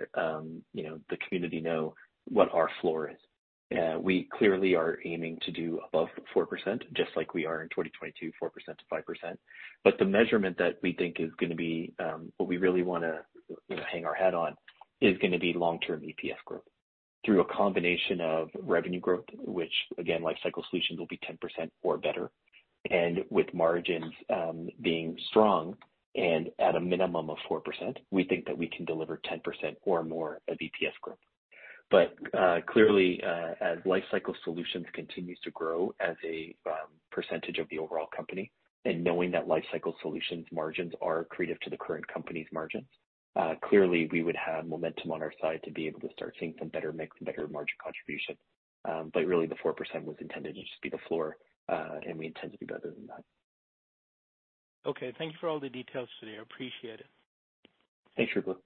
know the community know what our floor is. We clearly are aiming to do above 4%, just like we are in 2022, 4%-5%. The measurement that we think is gonna be what we really wanna you know hang our hat on is gonna be long-term EPS growth. Through a combination of revenue growth, which again, Lifecycle Solutions will be 10% or better, and with margins being strong and at a minimum of 4%, we think that we can deliver 10% or more of EPS growth. Clearly, as Lifecycle Solutions continues to grow as a percentage of the overall company and knowing that Lifecycle Solutions margins are accretive to the current company's margins, clearly we would have momentum on our side to be able to start seeing some better mix and better margin contribution. Really the 4% was intended to just be the floor, and we intend to do better than that. Okay. Thank you for all the details today. I appreciate it. Thanks, Ruplu.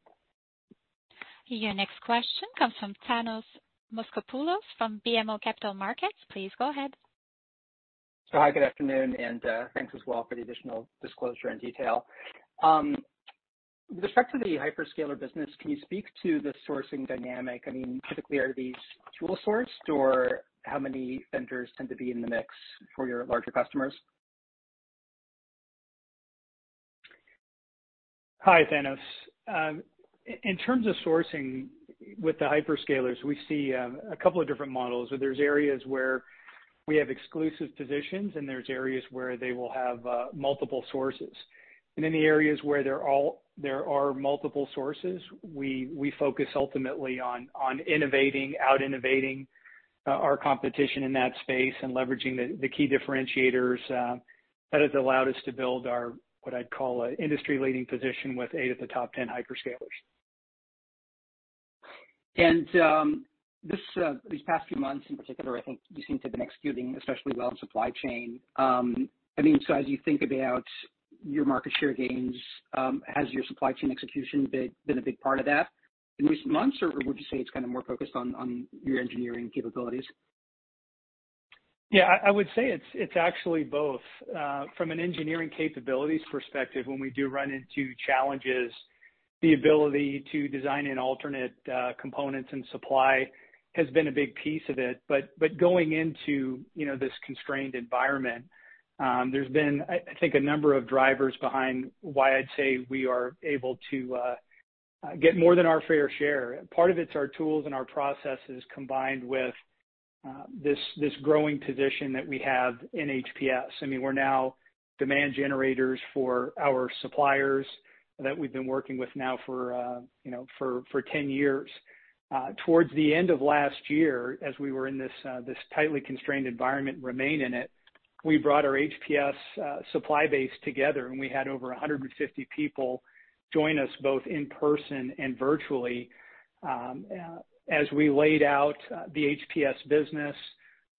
Your next question comes from Thanos Moschopoulos from BMO Capital Markets. Please go ahead. Hi, good afternoon, and thanks as well for the additional disclosure and detail. With respect to the hyperscaler business, can you speak to the sourcing dynamic? I mean, typically, are these tool-sourced, or how many vendors tend to be in the mix for your larger customers? Hi, Thanos. In terms of sourcing with the hyperscalers, we see a couple of different models, where there's areas where we have exclusive positions, and there's areas where they will have multiple sources. In the areas where there are multiple sources, we focus ultimately on innovating, out-innovating our competition in that space and leveraging the key differentiators that has allowed us to build our what I'd call an industry-leading position with eight of the top 10 hyperscalers. These past few months in particular, I think you seem to have been executing especially well in supply chain. I mean, as you think about your market share gains, has your supply chain execution been a big part of that in recent months, or would you say it's kind of more focused on your engineering capabilities? Yeah. I would say it's actually both. From an engineering capabilities perspective, when we do run into challenges, the ability to design in alternate components and supply has been a big piece of it. But going into, you know, this constrained environment, there's been, I think, a number of drivers behind why I'd say we are able to get more than our fair share. Part of it's our tools and our processes combined with this growing position that we have in HPS. I mean, we're now demand generators for our suppliers that we've been working with now for, you know, 10 years. Towards the end of last year, as we were in this tightly constrained environment and remain in it, we brought our HPS supply base together, and we had over 150 people join us both in person and virtually, as we laid out the HPS business,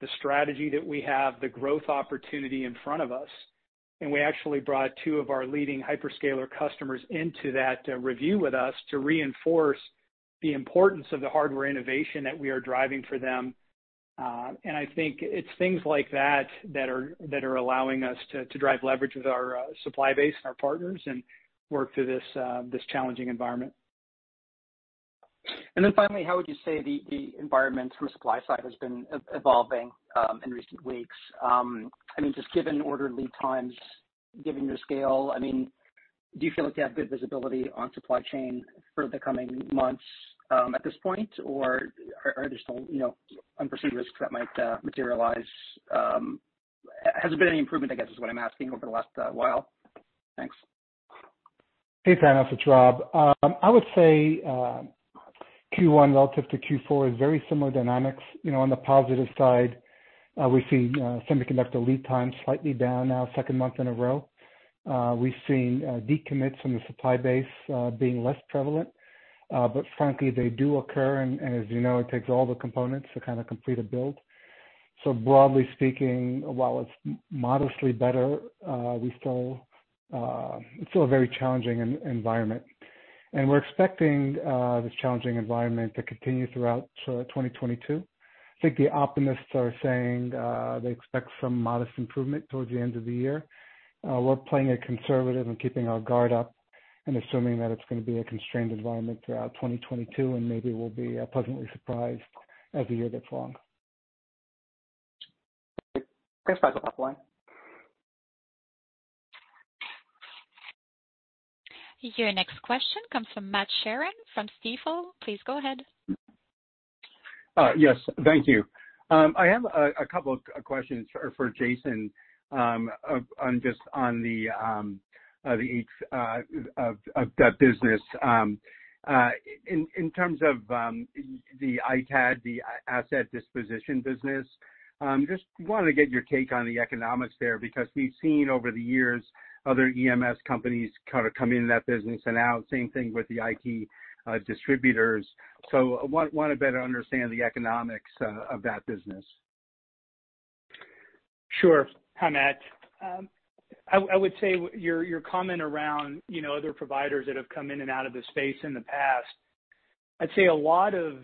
the strategy that we have, the growth opportunity in front of us. We actually brought two of our leading hyperscaler customers into that review with us to reinforce the importance of the hardware innovation that we are driving for them. I think it's things like that that are allowing us to drive leverage with our supply base and our partners and work through this challenging environment. Finally, how would you say the environment from a supply side has been evolving in recent weeks? I mean, just given order lead times, given your scale, I mean, do you feel like you have good visibility on supply chain for the coming months at this point? Or are there still, you know, unforeseen risks that might materialize? Has there been any improvement, I guess, is what I'm asking, over the last while? Thanks. Hey, Thanos. It's Rob. I would say Q1 relative to Q4 is very similar dynamics. You know, on the positive side, we see semiconductor lead times slightly down now second month in a row. We've seen decommits from the supply base being less prevalent. But frankly, they do occur, and as you know, it takes all the components to kind of complete a build. So broadly speaking, while it's modestly better, it's still a very challenging environment. We're expecting this challenging environment to continue throughout 2022. I think the optimists are saying they expect some modest improvement towards the end of the year. We're playing it conservative and keeping our guard up and assuming that it's gonna be a constrained environment throughout 2022, and maybe we'll be pleasantly surprised as the year gets long. Great. Thanks. Back to the line. Your next question comes from Matt Sheerin from Stifel. Please go ahead. Yes. Thank you. I have a couple questions for Jason on just the HPS of that business. In terms of the ITAD, the asset disposition business, just wanted to get your take on the economics there, because we've seen over the years other EMS companies kind of come in that business and out. Same thing with the IT distributors. I want to better understand the economics of that business. Sure. Hi, Matt. I would say your comment around, you know, other providers that have come in and out of the space in the past. I'd say a lot of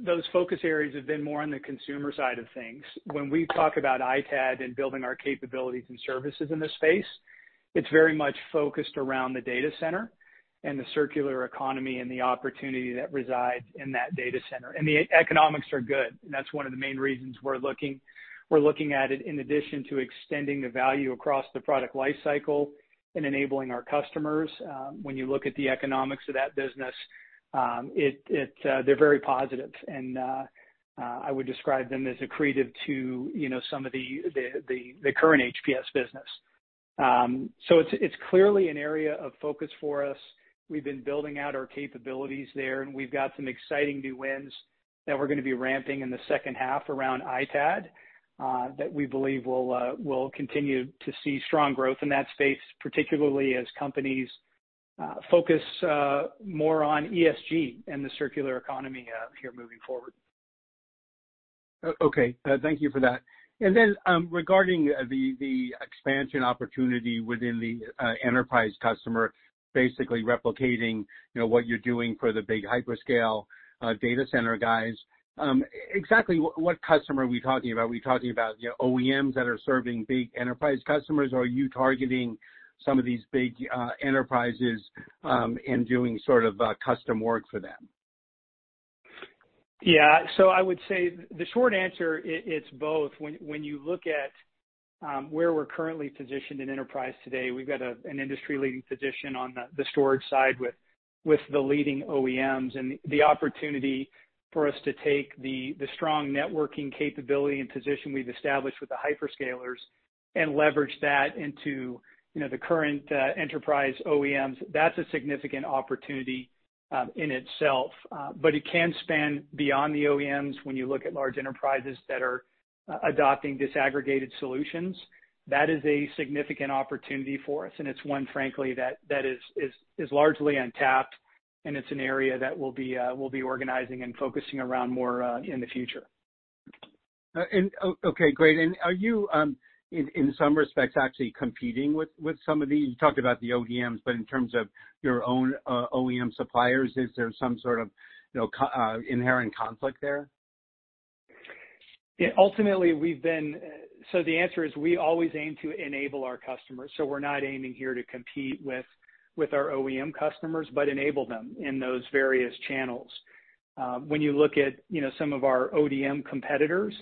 those focus areas have been more on the consumer side of things. When we talk about ITAD and building our capabilities and services in this space, it's very much focused around the data center and the circular economy and the opportunity that resides in that data center. The economics are good. That's one of the main reasons we're looking at it in addition to extending the value across the product life cycle and enabling our customers. When you look at the economics of that business, they're very positive, and I would describe them as accretive to, you know, some of the current HPS business. It's clearly an area of focus for us. We've been building out our capabilities there, and we've got some exciting new wins that we're gonna be ramping in the second half around ITAD that we believe will continue to see strong growth in that space, particularly as companies focus more on ESG and the circular economy here moving forward. Oh, okay. Thank you for that. Regarding the expansion opportunity within the enterprise customer, basically replicating, you know, what you're doing for the big hyperscale data center guys, exactly what customer are we talking about? Are we talking about, you know, OEMs that are serving big enterprise customers, or are you targeting some of these big enterprises and doing sort of custom work for them? Yeah. I would say the short answer it's both. When you look at where we're currently positioned in enterprise today, we've got an industry-leading position on the storage side with the leading OEMs and the opportunity for us to take the strong networking capability and position we've established with the hyperscalers and leverage that into you know the current enterprise OEMs. That's a significant opportunity in itself, but it can span beyond the OEMs when you look at large enterprises that are adopting disaggregated solutions. That is a significant opportunity for us, and it's one, frankly, that is largely untapped, and it's an area that we'll be organizing and focusing around more in the future. Okay, great. Are you, in some respects, actually competing with some of these? You talked about the ODMs, but in terms of your own OEM suppliers, is there some sort of, you know, inherent conflict there? Yeah. Ultimately, the answer is we always aim to enable our customers. We're not aiming here to compete with our OEM customers, but enable them in those various channels. When you look at, you know, some of our ODM competitors,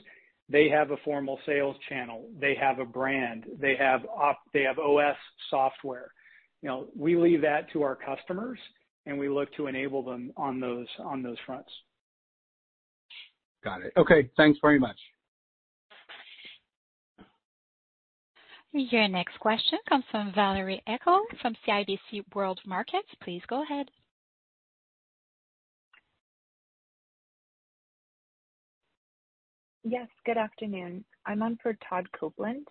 they have a formal sales channel. They have a brand. They have OS software. You know, we leave that to our customers, and we look to enable them on those fronts. Got it. Okay. Thanks very much. Your next question comes from Valery Heckel from CIBC World Markets. Please go ahead. Yes, good afternoon. I'm on for Todd Coupland.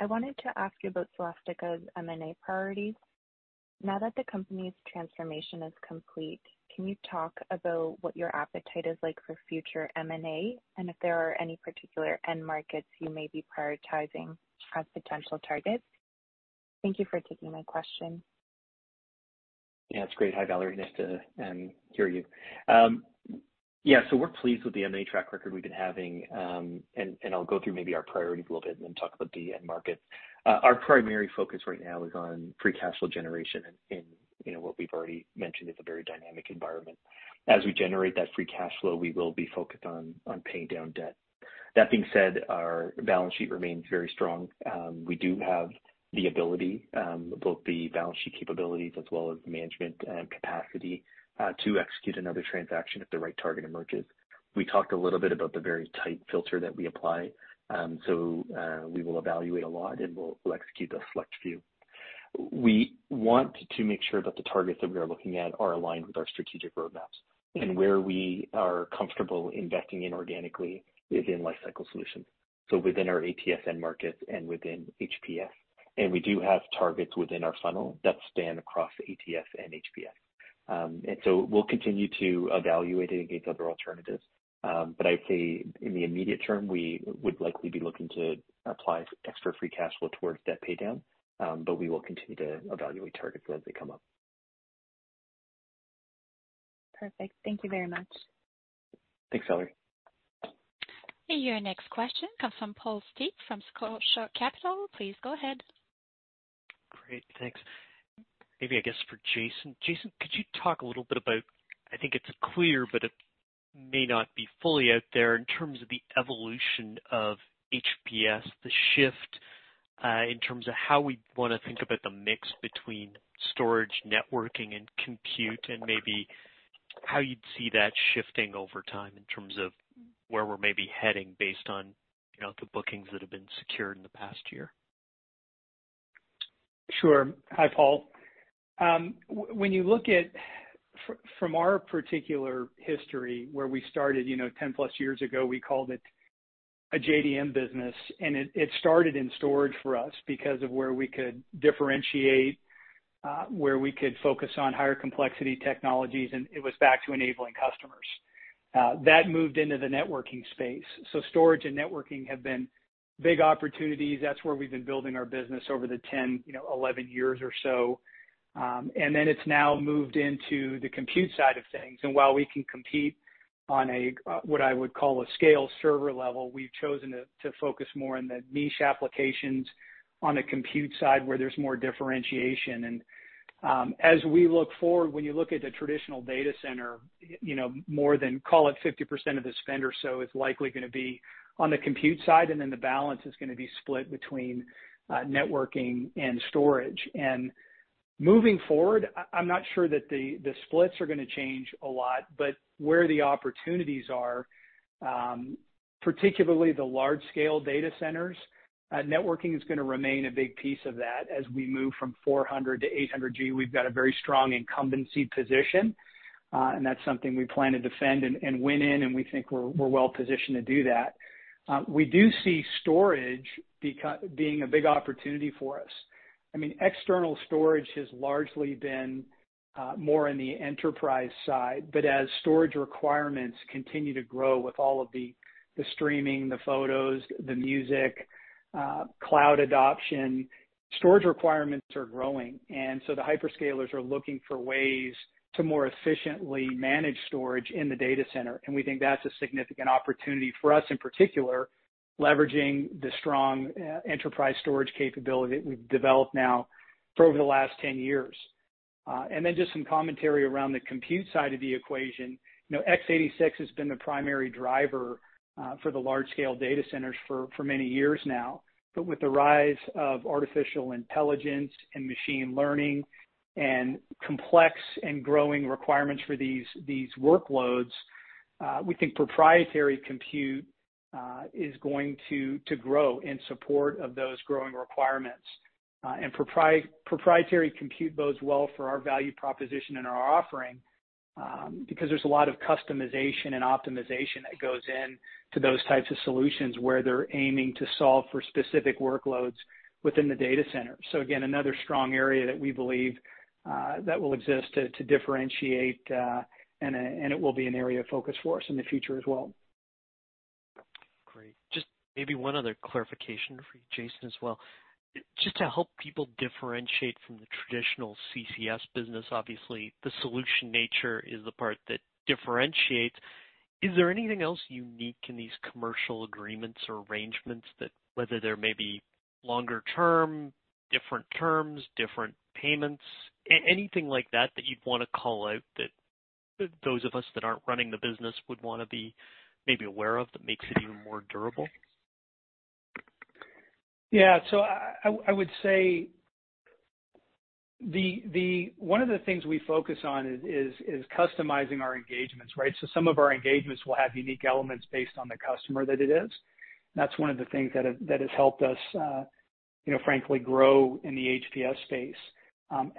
I wanted to ask you about Celestica's M&A priorities. Now that the company's transformation is complete, can you talk about what your appetite is like for future M&A, and if there are any particular end markets you may be prioritizing as potential targets? Thank you for taking my question. Yeah, it's great. Hi, Valery. Nice to hear you. Yeah, we're pleased with the M&A track record we've been having, and I'll go through maybe our priorities a little bit and then talk about the end markets. Our primary focus right now is on free cash flow generation and, you know, what we've already mentioned, it's a very dynamic environment. As we generate that free cash flow, we will be focused on paying down debt. That being said, our balance sheet remains very strong. We do have the ability, both the balance sheet capabilities as well as management capacity, to execute another transaction if the right target emerges. We talked a little bit about the very tight filter that we apply. We will evaluate a lot and we'll execute a select few. We want to make sure that the targets that we are looking at are aligned with our strategic roadmaps and where we are comfortable investing in organically is in Lifecycle Solutions, so within our ATS end markets and within HPS. We do have targets within our funnel that span across ATS and HPS. We'll continue to evaluate it against other alternatives. I'd say in the immediate term, we would likely be looking to apply extra free cash flow towards debt paydown. We will continue to evaluate targets as they come up. Perfect. Thank you very much. Thanks, Valery. Your next question comes from Paul Steep from Scotia Capital. Please go ahead. Great. Thanks. Maybe I guess for Jason. Jason, could you talk a little bit about, I think it's clear, but it may not be fully out there in terms of the evolution of HPS, the shift, in terms of how we wanna think about the mix between storage, networking, and compute, and maybe how you'd see that shifting over time in terms of where we're maybe heading based on, you know, the bookings that have been secured in the past year. Sure. Hi, Paul. When you look at from our particular history where we started, you know, 10+ years ago, we called it a JDM business, and it started in storage for us because of where we could differentiate, where we could focus on higher complexity technologies, and it was back to enabling customers. That moved into the networking space. Storage and networking have been big opportunities. That's where we've been building our business over the 10, you know, 11 years or so. Then it's now moved into the compute side of things. While we can compete on a what I would call a scale server level, we've chosen to focus more on the niche applications on the compute side where there's more differentiation. As we look forward, when you look at the traditional data center, you know, more than call it 50% of the spend or so is likely gonna be on the compute side, and then the balance is gonna be split between networking and storage. Moving forward, I'm not sure that the splits are gonna change a lot, but where the opportunities are, particularly the large scale data centers, networking is gonna remain a big piece of that as we move from 400G to 800G. We've got a very strong incumbency position, and that's something we plan to defend and win in, and we think we're well positioned to do that. We do see storage being a big opportunity for us. I mean, external storage has largely been more in the enterprise side, but as storage requirements continue to grow with all of the streaming, the photos, the music, cloud adoption, storage requirements are growing. The hyperscalers are looking for ways to more efficiently manage storage in the data center. We think that's a significant opportunity for us, in particular, leveraging the strong enterprise storage capability that we've developed now for over the last 10 years. Then just some commentary around the compute side of the equation. You know, x86 has been the primary driver for the large scale data centers for many years now. With the rise of artificial intelligence and machine learning and complex and growing requirements for these workloads, we think proprietary compute is going to grow in support of those growing requirements. Proprietary compute bodes well for our value proposition and our offering, because there's a lot of customization and optimization that goes into those types of solutions where they're aiming to solve for specific workloads within the data center. Again, another strong area that we believe that will exist to differentiate, and it will be an area of focus for us in the future as well. Great. Just maybe one other clarification for you, Jason, as well. Just to help people differentiate from the traditional CCS business. Obviously, the solution nature is the part that differentiates. Is there anything else unique in these commercial agreements or arrangements that whether there may be longer term, different terms, different payments, anything like that you'd wanna call out that those of us that aren't running the business would wanna be maybe aware of that makes it even more durable? Yeah. I would say one of the things we focus on is customizing our engagements, right? Some of our engagements will have unique elements based on the customer that it is. That's one of the things that has helped us, you know, frankly grow in the HPS space.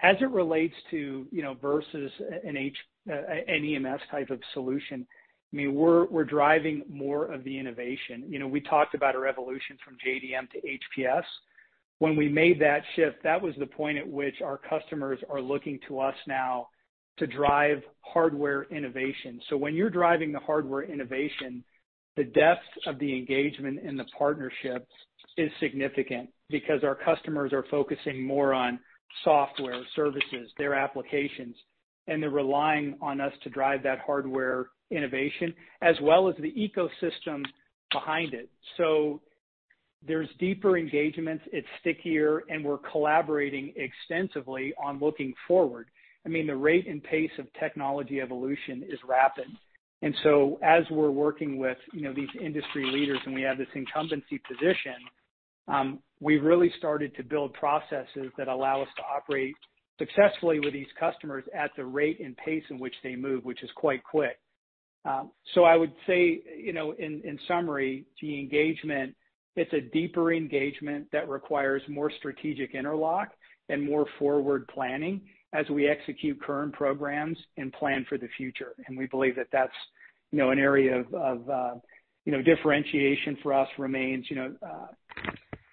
As it relates to, you know, versus an EMS type of solution, I mean, we're driving more of the innovation. You know, we talked about a revolution from JDM to HPS. When we made that shift, that was the point at which our customers are looking to us now to drive hardware innovation. When you're driving the hardware innovation, the depth of the engagement in the partnership is significant because our customers are focusing more on software services, their applications, and they're relying on us to drive that hardware innovation as well as the ecosystem behind it. There's deeper engagements, it's stickier, and we're collaborating extensively on looking forward. I mean, the rate and pace of technology evolution is rapid. As we're working with, you know, these industry leaders, and we have this incumbency position, we've really started to build processes that allow us to operate successfully with these customers at the rate and pace in which they move, which is quite quick. I would say, you know, in summary, the engagement, it's a deeper engagement that requires more strategic interlock and more forward planning as we execute current programs and plan for the future. We believe that that's, you know, an area of, you know, differentiation for us remains, you know,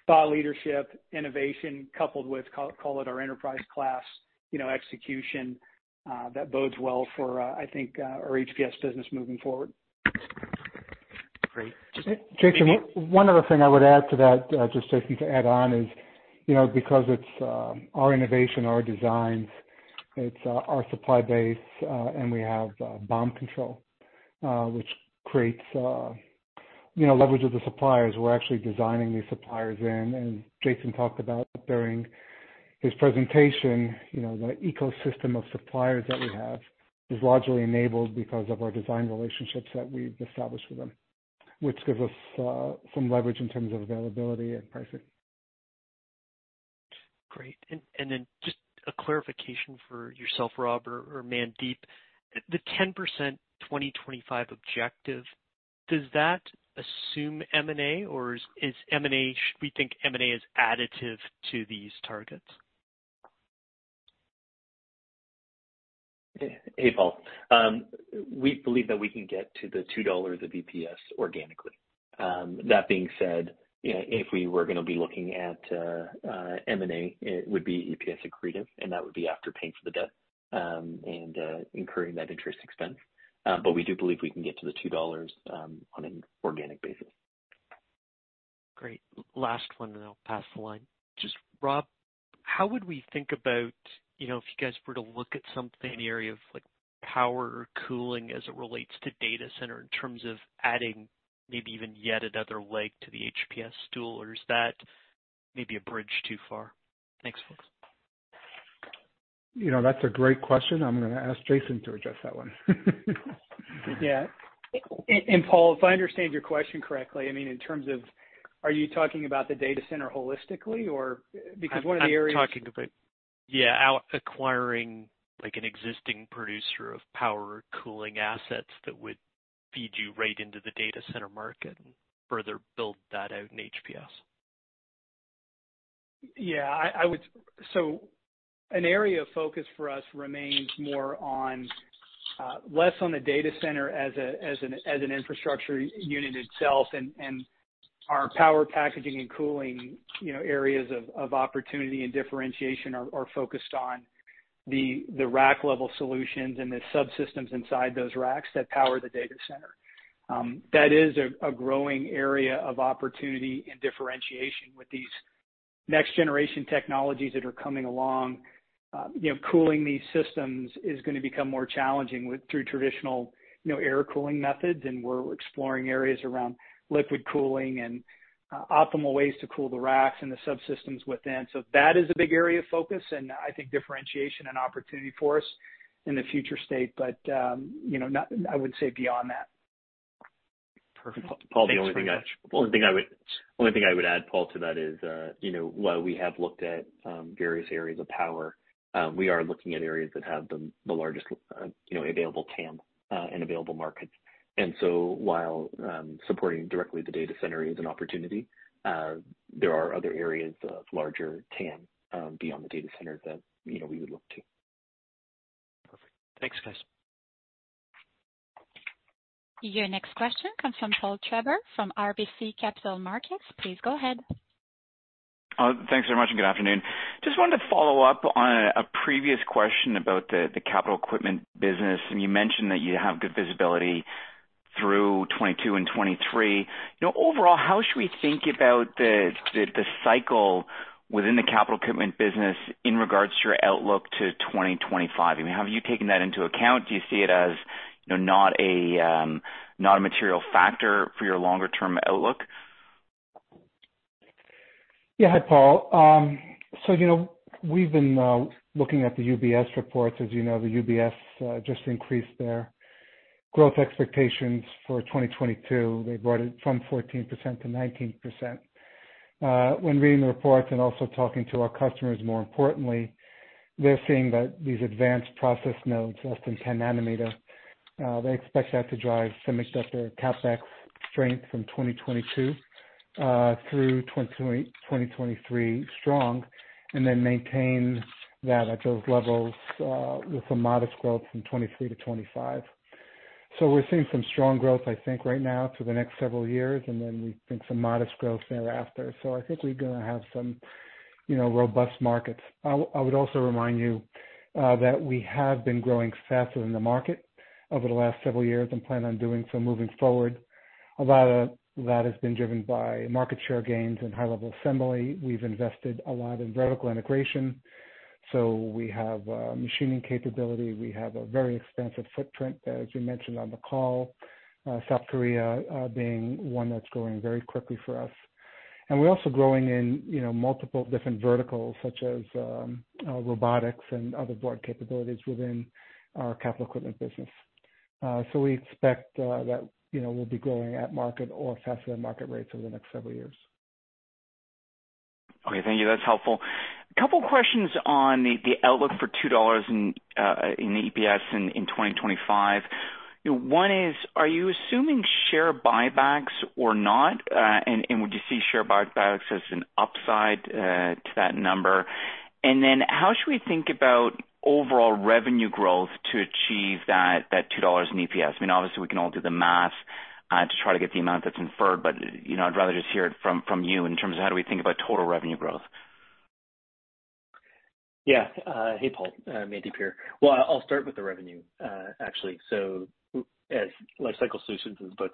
thought leadership, innovation coupled with call it our enterprise class, you know, execution, that bodes well for, I think, our HPS business moving forward. Great. Jason, one other thing I would add to that, just to add on is, you know, because it's our innovation, our designs, our supply base, and we have BOM control, which creates, you know, leverage of the suppliers. We're actually designing these suppliers in. Jason talked about during his presentation, you know, the ecosystem of suppliers that we have is largely enabled because of our design relationships that we've established with them, which gives us some leverage in terms of availability and pricing. Great. Just a clarification for yourself, Rob or Mandeep. The 10% 2025 objective, does that assume M&A or is M&A, should we think M&A is additive to these targets? Hey, Paul. We believe that we can get to $2 of EPS organically. That being said, if we were gonna be looking at M&A, it would be EPS accretive, and that would be after paying for the debt and incurring that interest expense. We do believe we can get to $2 on an organic basis. Great. Last one, and I'll pass the line. Just Rob, how would we think about, you know, if you guys were to look at something in the area of like power cooling as it relates to data center in terms of adding maybe even yet another leg to the HPS stool or is that maybe a bridge too far? Thanks, folks. You know, that's a great question. I'm gonna ask Jason to address that one. Paul, if I understand your question correctly, I mean in terms of, are you talking about the data center holistically or. Because one of the areas. I'm talking about, yeah, about acquiring like an existing producer of power and cooling assets that would feed you right into the data center market and further build that out in HPS. Yeah. I would. An area of focus for us remains more on less on the data center as an infrastructure unit itself and our power packaging and cooling, you know, areas of opportunity and differentiation are focused on the rack-level solutions and the subsystems inside those racks that power the data center. That is a growing area of opportunity and differentiation with these next generation technologies that are coming along. You know, cooling these systems is gonna become more challenging through traditional, you know, air cooling methods. We're exploring areas around liquid cooling and optimal ways to cool the racks and the subsystems within. That is a big area of focus, and I think differentiation and opportunity for us in the future state. You know, I wouldn't say beyond that. Perfect. Thanks very much. Paul, the only thing I would add, Paul, to that is, you know, while we have looked at various areas of power, we are looking at areas that have the largest, you know, available TAM and available markets. While supporting directly the data center is an opportunity, there are other areas of larger TAM beyond the data center that, you know, we would look to. Perfect. Thanks, guys. Your next question comes from Paul Treiber from RBC Capital Markets. Please go ahead. Thanks very much, and good afternoon. Just wanted to follow up on a previous question about the capital equipment business. You mentioned that you have good visibility through 2022 and 2023. You know, overall, how should we think about the cycle within the capital equipment business in regards to your outlook to 2025? I mean, have you taken that into account? Do you see it as, you know, not a material factor for your longer term outlook? Yeah. Hi, Paul. You know, we've been looking at the UBS reports. As you know, the UBS just increased their growth expectations for 2022. They brought it from 14% to 19%. When reading the report and also talking to our customers, more importantly, they're seeing that these advanced process nodes, less than 10 nm, they expect that to drive semiconductor CapEx strength from 2022 through 2023 strong, and then maintain that at those levels with a modest growth from 2023 to 2025. We're seeing some strong growth, I think, right now to the next several years, and then we think some modest growth thereafter. I think we're gonna have some, you know, robust markets. I would also remind you that we have been growing faster than the market over the last several years and plan on doing so moving forward. A lot of that has been driven by market share gains and high level assembly. We've invested a lot in vertical integration. We have machining capability. We have a very extensive footprint, as we mentioned on the call, South Korea being one that's growing very quickly for us. We're also growing in you know multiple different verticals such as robotics and other board capabilities within our capital equipment business. We expect that you know we'll be growing at market or faster than market rates over the next several years. Okay. Thank you. That's helpful. A couple questions on the outlook for $2 in EPS in 2025. You know, one is, are you assuming share buybacks or not? And would you see share buybacks as an upside to that number? And then how should we think about overall revenue growth to achieve that $2 in EPS? I mean, obviously we can all do the math to try to get the amount that's inferred, but you know, I'd rather just hear it from you in terms of how do we think about total revenue growth. Yeah. Hey, Paul. Mandeep here. Well, I'll start with the revenue, actually. As Lifecycle Solutions is about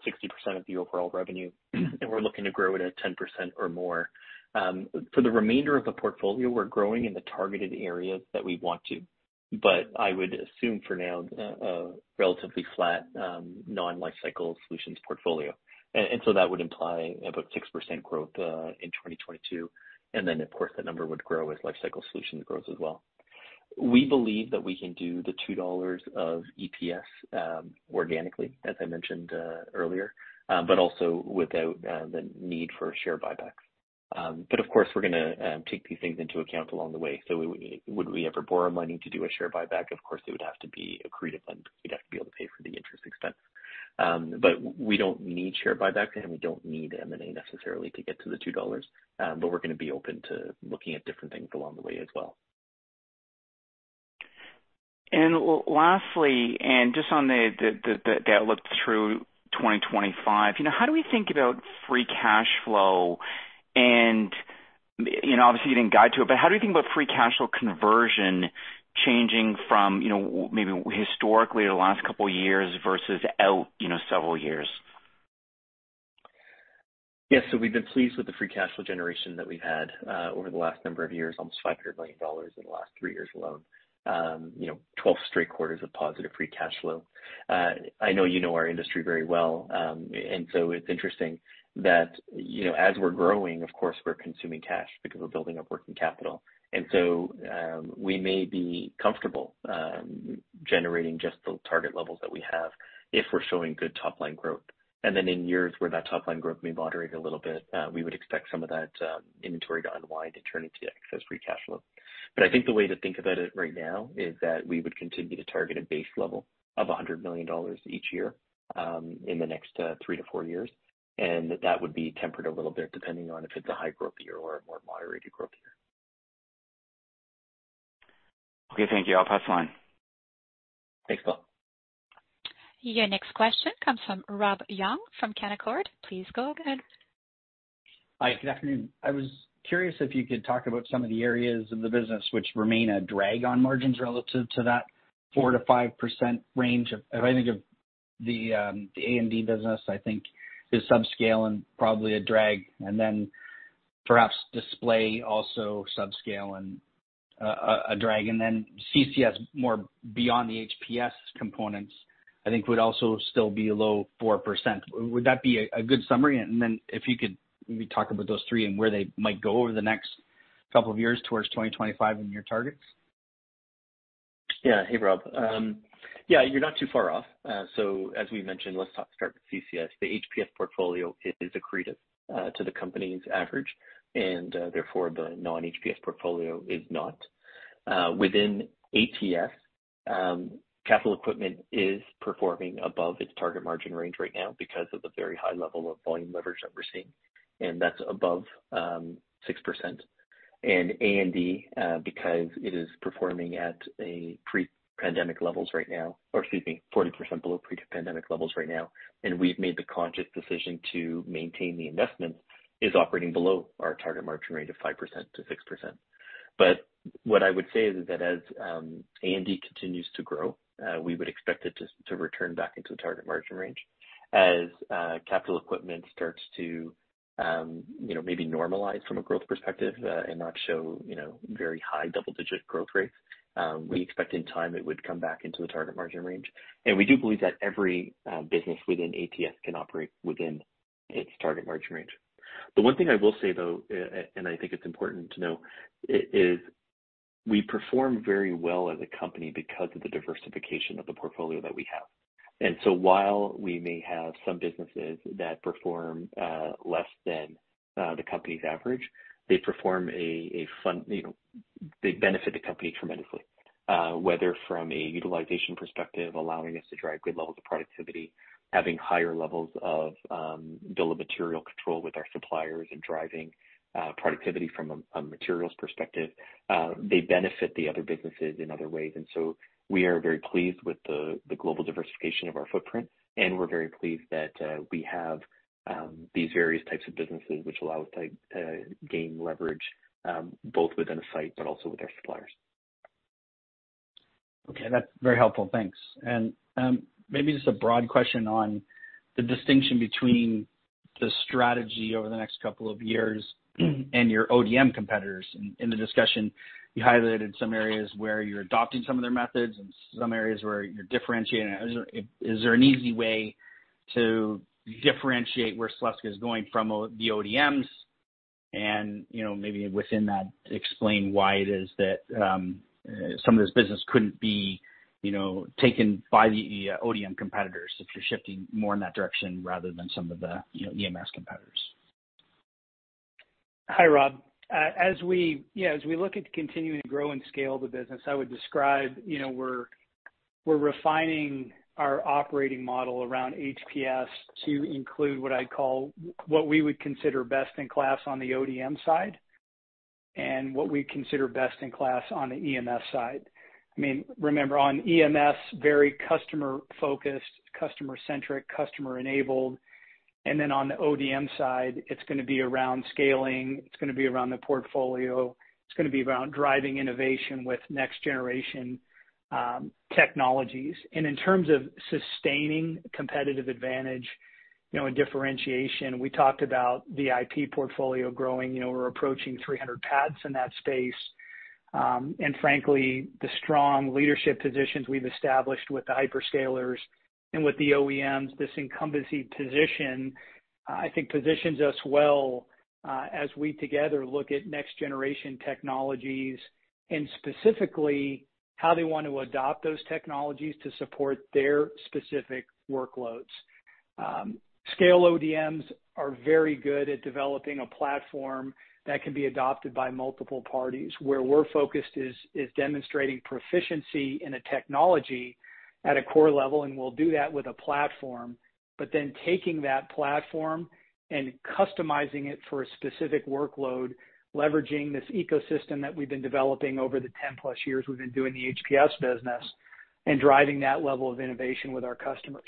60% of the overall revenue, and we're looking to grow it at 10% or more. For the remainder of the portfolio, we're growing in the targeted areas that we want to. I would assume for now, relatively flat, non-Lifecycle Solutions portfolio. That would imply about 6% growth in 2022, and then of course, that number would grow as Lifecycle Solutions grows as well. We believe that we can do $2 of EPS organically, as I mentioned earlier, but also without the need for share buybacks. Of course, we're gonna take these things into account along the way. Would we ever borrow money to do a share buyback? Of course, it would have to be accretive, and we'd have to be able to pay for the interest expense. We don't need share buyback, and we don't need M&A necessarily to get to the $2. We're gonna be open to looking at different things along the way as well. Lastly, just on the outlook through 2025, you know, how do we think about free cash flow? You know, obviously, you didn't guide to it, but how do you think about free cash flow conversion changing from, you know, maybe historically the last couple of years versus out, you know, several years? Yes. We've been pleased with the free cash flow generation that we've had over the last number of years, almost $500 million in the last three years alone. You know, 12 straight quarters of positive free cash flow. I know you know our industry very well. It's interesting that, you know, as we're growing, of course, we're consuming cash because we're building up working capital. We may be comfortable generating just the target levels that we have if we're showing good top line growth. In years where that top line growth may moderate a little bit, we would expect some of that inventory to unwind and turn into excess free cash flow. I think the way to think about it right now is that we would continue to target a base level of $100 million each year in the next three to four years. That would be tempered a little bit depending on if it's a high growth year or a more moderated growth year. Okay, thank you. I'll pass the line. Thanks, Paul. Your next question comes from Rob Young from Canaccord. Please go ahead. Hi, good afternoon. I was curious if you could talk about some of the areas of the business which remain a drag on margins relative to that 4%-5% range. If I think of the A&D business, I think it is subscale and probably a drag, and then perhaps display also subscale and a drag. CCS more beyond the HPS components, I think would also still be below 4%. Would that be a good summary? If you could maybe talk about those three and where they might go over the next couple of years towards 2025 and your targets. Yeah. Hey, Rob. Yeah, you're not too far off. As we mentioned, let's talk, start with CCS. The HPS portfolio is accretive to the company's average, and therefore the non-HPS portfolio is not. Within ATS, capital equipment is performing above its target margin range right now because of the very high level of volume leverage that we're seeing, and that's above 6%. A&D, because it is performing at a pre-pandemic levels right now, or excuse me, 40% below pre-pandemic levels right now, and we've made the conscious decision to maintain the investment, is operating below our target margin rate of 5%-6%. What I would say is that as A&D continues to grow, we would expect it to return back into the target margin range. Capital equipment starts to, you know, maybe normalize from a growth perspective and not show, you know, very high double-digit growth rates. We expect in time it would come back into the target margin range. We do believe that every business within ATS can operate within its target margin range. The one thing I will say, though, and I think it's important to know, is we perform very well as a company because of the diversification of the portfolio that we have. While we may have some businesses that perform less than the company's average, they perform a function, you know, they benefit the company tremendously. Whether from a utilization perspective, allowing us to drive good levels of productivity, having higher levels of bill of materials control with our suppliers and driving productivity from a materials perspective, they benefit the other businesses in other ways. We are very pleased with the global diversification of our footprint, and we're very pleased that we have these various types of businesses which allow us to gain leverage both within a site but also with our suppliers. Okay. That's very helpful. Thanks. Maybe just a broad question on the distinction between the strategy over the next couple of years and your ODM competitors. In the discussion, you highlighted some areas where you're adopting some of their methods and some areas where you're differentiating. Is there an easy way to differentiate where Celestica is going from the ODMs? You know, maybe within that, explain why it is that some of this business couldn't be, you know, taken by the ODM competitors if you're shifting more in that direction rather than some of the, you know, EMS competitors. Hi, Rob. As we look at continuing to grow and scale the business, I would describe, you know, we're refining our operating model around HPS to include what I'd call what we would consider best in class on the ODM side and what we consider best in class on the EMS side. I mean, remember, on EMS, very customer-focused, customer-centric, customer-enabled. Then on the ODM side, it's gonna be around scaling, it's gonna be around the portfolio, it's gonna be around driving innovation with next generation technologies. In terms of sustaining competitive advantage, you know, and differentiation, we talked about the IP portfolio growing. You know, we're approaching 300 patents in that space. Frankly, the strong leadership positions we've established with the hyperscalers and with the OEMs, this incumbency position, I think positions us well, as we together look at next generation technologies and specifically how they want to adopt those technologies to support their specific workloads. Scaled ODMs are very good at developing a platform that can be adopted by multiple parties. Where we're focused is demonstrating proficiency in a technology at a core level, and we'll do that with a platform. Then taking that platform and customizing it for a specific workload, leveraging this ecosystem that we've been developing over the 10+ years we've been doing the HPS business and driving that level of innovation with our customers.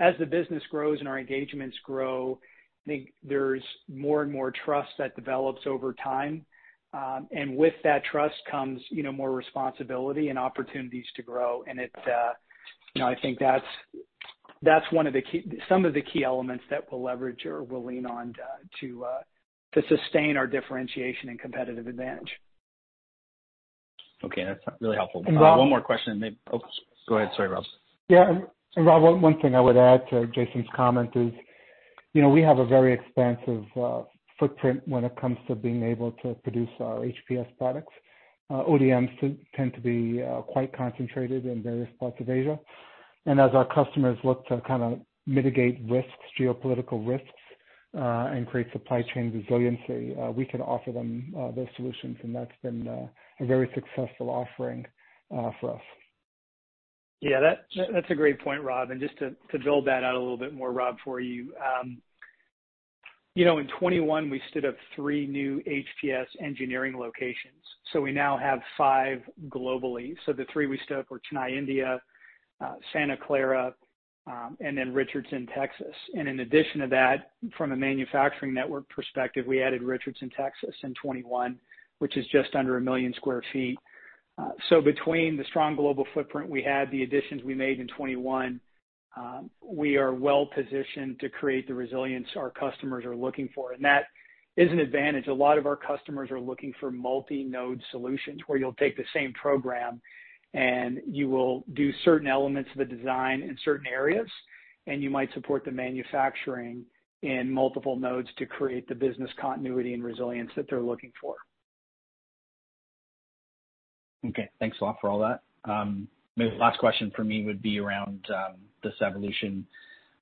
As the business grows and our engagements grow, I think there's more and more trust that develops over time. With that trust comes, you know, more responsibility and opportunities to grow. It, you know, I think that's some of the key elements that we'll leverage or we'll lean on to sustain our differentiation and competitive advantage. Okay. That's really helpful. Rob One more question. Oh, go ahead. Sir Rob. Yeah. Rob, one thing I would add to Jason's comment is, you know, we have a very expansive footprint when it comes to being able to produce our HPS products. ODMs tend to be quite concentrated in various parts of Asia. As our customers look to kinda mitigate risks, geopolitical risks, and create supply chain resiliency, we can offer them those solutions. That's been a very successful offering for us. That's a great point, Rob. Just to build that out a little bit more, Rob, for you. You know, in 2021 we stood up three new HPS engineering locations, so we now have five globally. The three we stood up were Chennai, India, Santa Clara, and Richardson, Texas. In addition to that, from a manufacturing network perspective, we added Richardson, Texas in 2021, which is just under 1 million sq ft. Between the strong global footprint we had, the additions we made in 2021, we are well-positioned to create the resilience our customers are looking for. That is an advantage. A lot of our customers are looking for multi-node solutions where you'll take the same program and you will do certain elements of the design in certain areas, and you might support the manufacturing in multiple nodes to create the business continuity and resilience that they're looking for. Okay. Thanks a lot for all that. Maybe last question for me would be around this evolution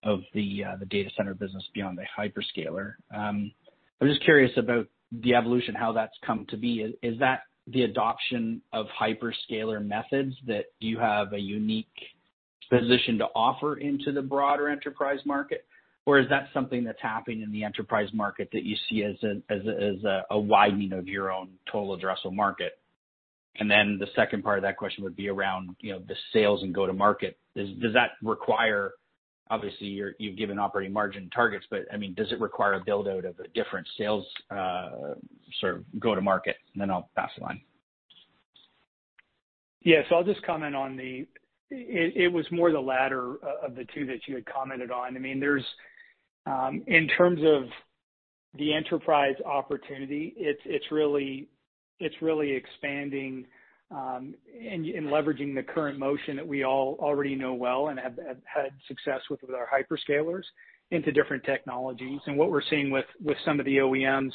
of the data center business beyond the hyperscaler. I'm just curious about the evolution, how that's come to be. Is that the adoption of hyperscaler methods that you have a unique position to offer into the broader enterprise market? Or is that something that's happening in the enterprise market that you see as a widening of your own total addressable market? And then the second part of that question would be around, you know, the sales and go to market. Does that require a build-out of a different sales sort of go to market? Obviously, you've given operating margin targets, but I mean, does it require a build-out of a different sales sort of go to market? And then I'll pass it on. Yeah. I'll just comment on it. It was more the latter of the two that you had commented on. I mean, there's in terms of the enterprise opportunity, it's really expanding and leveraging the current motion that we all already know well and have had success with our hyperscalers into different technologies. What we're seeing with some of the OEMs,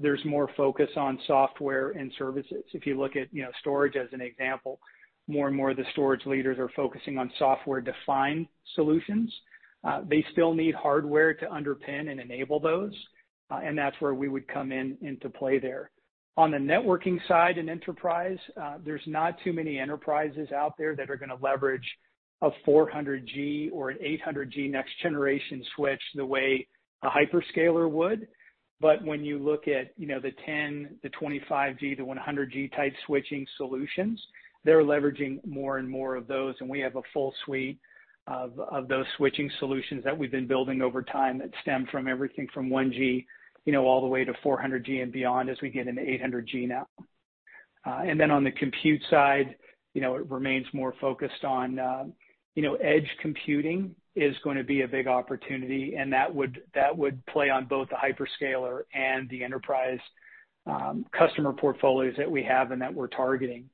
there's more focus on software and services. If you look at, you know, storage as an example, more and more of the storage leaders are focusing on software-defined solutions. They still need hardware to underpin and enable those, and that's where we would come into play there. On the networking side in enterprise, there's not too many enterprises out there that are gonna leverage a 400G or an 800G next generation switch the way a hyperscaler would. But when you look at, you know, the 10G, the 25G, the 100G type switching solutions, they're leveraging more and more of those. We have a full suite of those switching solutions that we've been building over time that stem from everything from 1G, you know, all the way to 400G and beyond as we get into 800G now. On the compute side, you know, it remains more focused on, you know, edge computing is gonna be a big opportunity, and that would play on both the hyperscaler and the enterprise customer portfolios that we have and that we're targeting,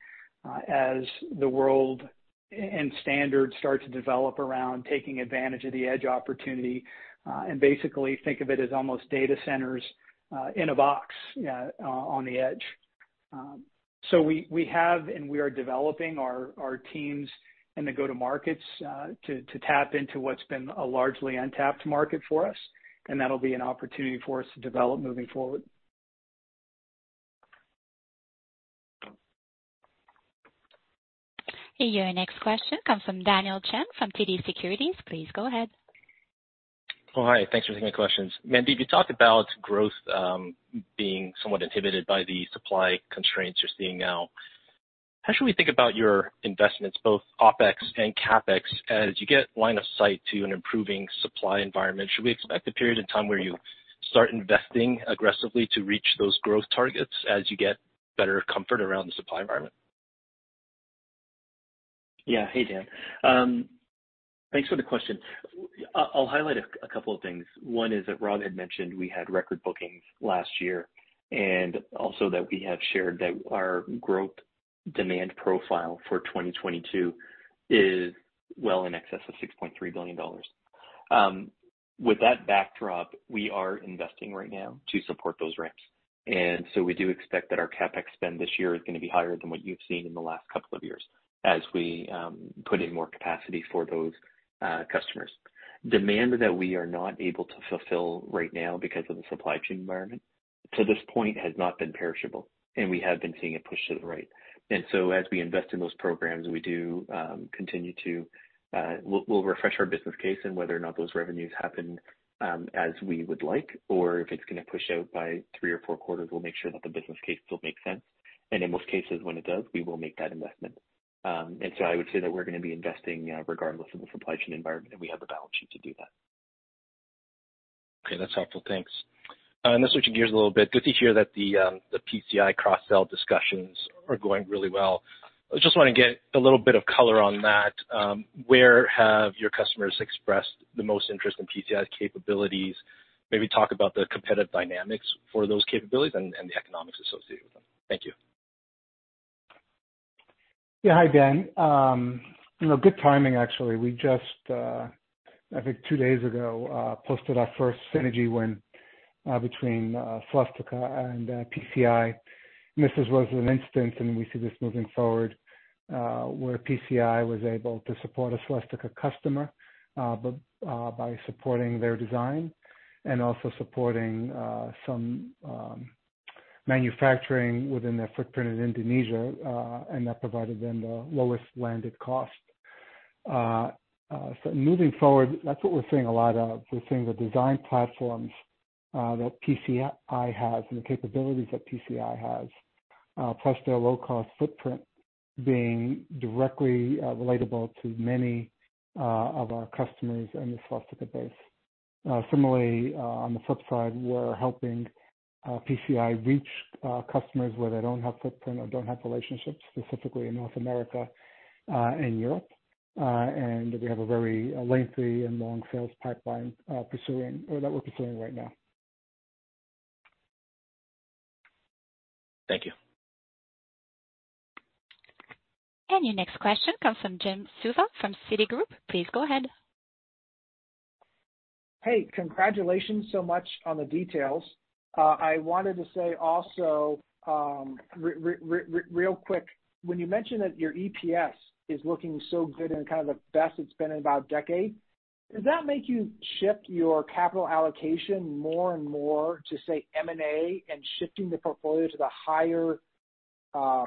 as the world and standards start to develop around taking advantage of the edge opportunity, and basically think of it as almost data centers in a box on the edge. We have and we are developing our teams and the go-to markets to tap into what's been a largely untapped market for us, and that'll be an opportunity for us to develop moving forward. Your next question comes from Daniel Chan from TD Securities. Please go ahead. Oh, hi. Thanks for taking my questions. Mandeep, you talked about growth, being somewhat inhibited by the supply constraints you're seeing now. How should we think about your investments, both OpEx and CapEx, as you get line of sight to an improving supply environment? Should we expect a period in time where you start investing aggressively to reach those growth targets as you get better comfort around the supply environment? Yeah. Hey, Dan. Thanks for the question. I'll highlight a couple of things. One is that Rob had mentioned we had record bookings last year, and also that we have shared that our growth demand profile for 2022 is well in excess of $6.3 billion. With that backdrop, we are investing right now to support those ramps. We do expect that our CapEx spend this year is gonna be higher than what you've seen in the last couple of years as we put in more capacity for those customers. Demand that we are not able to fulfill right now because of the supply chain environment to this point has not been perishable, and we have been seeing it push to the right. As we invest in those programs, we'll refresh our business case and whether or not those revenues happen as we would like, or if it's gonna push out by three or four quarters, we'll make sure that the business case still makes sense. In most cases, when it does, we will make that investment. I would say that we're gonna be investing regardless of the supply chain environment, and we have the balance sheet to do that. Okay, that's helpful. Thanks. Switching gears a little bit. Good to hear that the PCI cross-sell discussions are going really well. I just wanna get a little bit of color on that. Where have your customers expressed the most interest in PCI capabilities? Maybe talk about the competitive dynamics for those capabilities and the economics associated with them. Thank you. Yeah. Hi, Dan. You know, good timing, actually. We just, I think two days ago, posted our first synergy win between Celestica and PCI. This was an instance, and we see this moving forward, where PCI was able to support a Celestica customer by supporting their design and also supporting some manufacturing within their footprint in Indonesia, and that provided them the lowest landed cost. Moving forward, that's what we're seeing a lot of. We're seeing the design platforms that PCI has and the capabilities that PCI has, plus their low-cost footprint being directly relatable to many of our customers in the socket base. Similarly, on the flip side, we're helping PCI reach customers where they don't have footprint or don't have relationships, specifically in North America and Europe. We have a very lengthy and long sales pipeline pursuing or that we're pursuing right now. Thank you. Your next question comes from Jim Suva from Citigroup. Please go ahead. Hey, congratulations so much on the details. I wanted to say also, real quick, when you mentioned that your EPS is looking so good and kind of the best it's been in about a decade, does that make you shift your capital allocation more and more to, say, M&A and shifting the portfolio to the higher,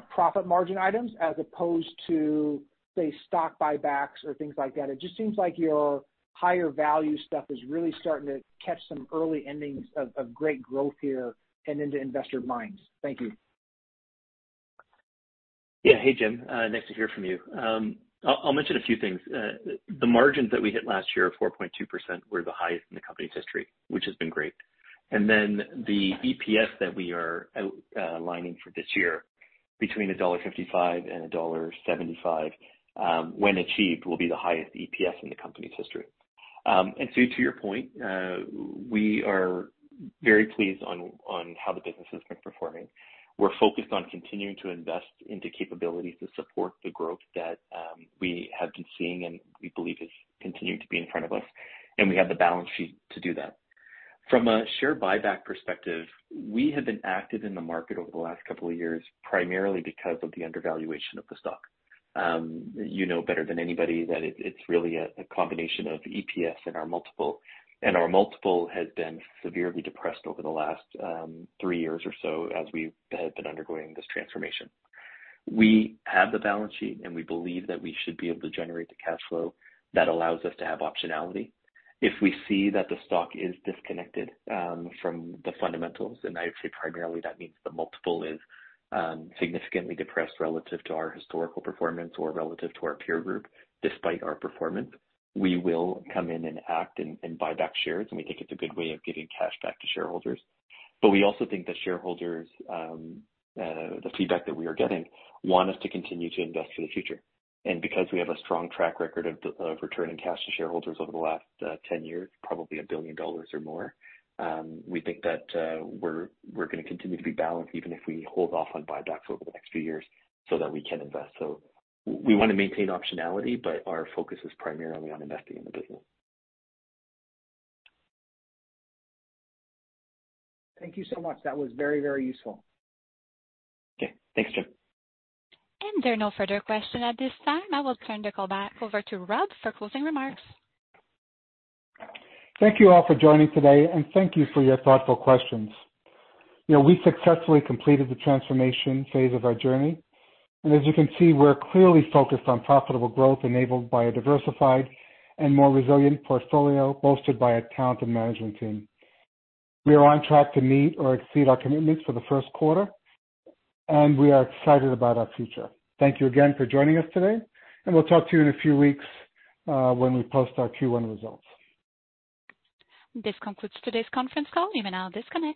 profit margin items as opposed to, say, stock buybacks or things like that? It just seems like your higher value stuff is really starting to catch some early innings of great growth here and into investor minds. Thank you. Yeah. Hey, Jim. Nice to hear from you. I'll mention a few things. The margins that we hit last year of 4.2% were the highest in the company's history, which has been great. The EPS that we are outlining for this year between $1.55 and $1.75, when achieved, will be the highest EPS in the company's history. To your point, we are very pleased on how the business has been performing. We're focused on continuing to invest into capabilities to support the growth that we have been seeing and we believe has continued to be in front of us, and we have the balance sheet to do that. From a share buyback perspective, we have been active in the market over the last couple of years, primarily because of the undervaluation of the stock. You know better than anybody that it's really a combination of EPS and our multiple. Our multiple has been severely depressed over the last three years or so as we have been undergoing this transformation. We have the balance sheet, and we believe that we should be able to generate the cash flow that allows us to have optionality. If we see that the stock is disconnected from the fundamentals, and I'd say primarily that means the multiple is significantly depressed relative to our historical performance or relative to our peer group despite our performance, we will come in and act and buy back shares, and we think it's a good way of giving cash back to shareholders. We also think that shareholders, the feedback that we are getting want us to continue to invest for the future. Because we have a strong track record of returning cash to shareholders over the last 10 years, probably $1 billion or more, we think that we're gonna continue to be balanced even if we hold off on buybacks over the next few years so that we can invest. We wanna maintain optionality, but our focus is primarily on investing in the business. Thank you so much. That was very, very useful. Okay. Thanks, Jim. There are no further questions at this time. I will turn the call back over to Rob for closing remarks. Thank you all for joining today, and thank you for your thoughtful questions. You know, we successfully completed the transformation phase of our journey. As you can see, we're clearly focused on profitable growth enabled by a diversified and more resilient portfolio, bolstered by a talented management team. We are on track to meet or exceed our commitments for the first quarter, and we are excited about our future. Thank you again for joining us today, and we'll talk to you in a few weeks, when we post our Q1 results. This concludes today's conference call. You may now disconnect.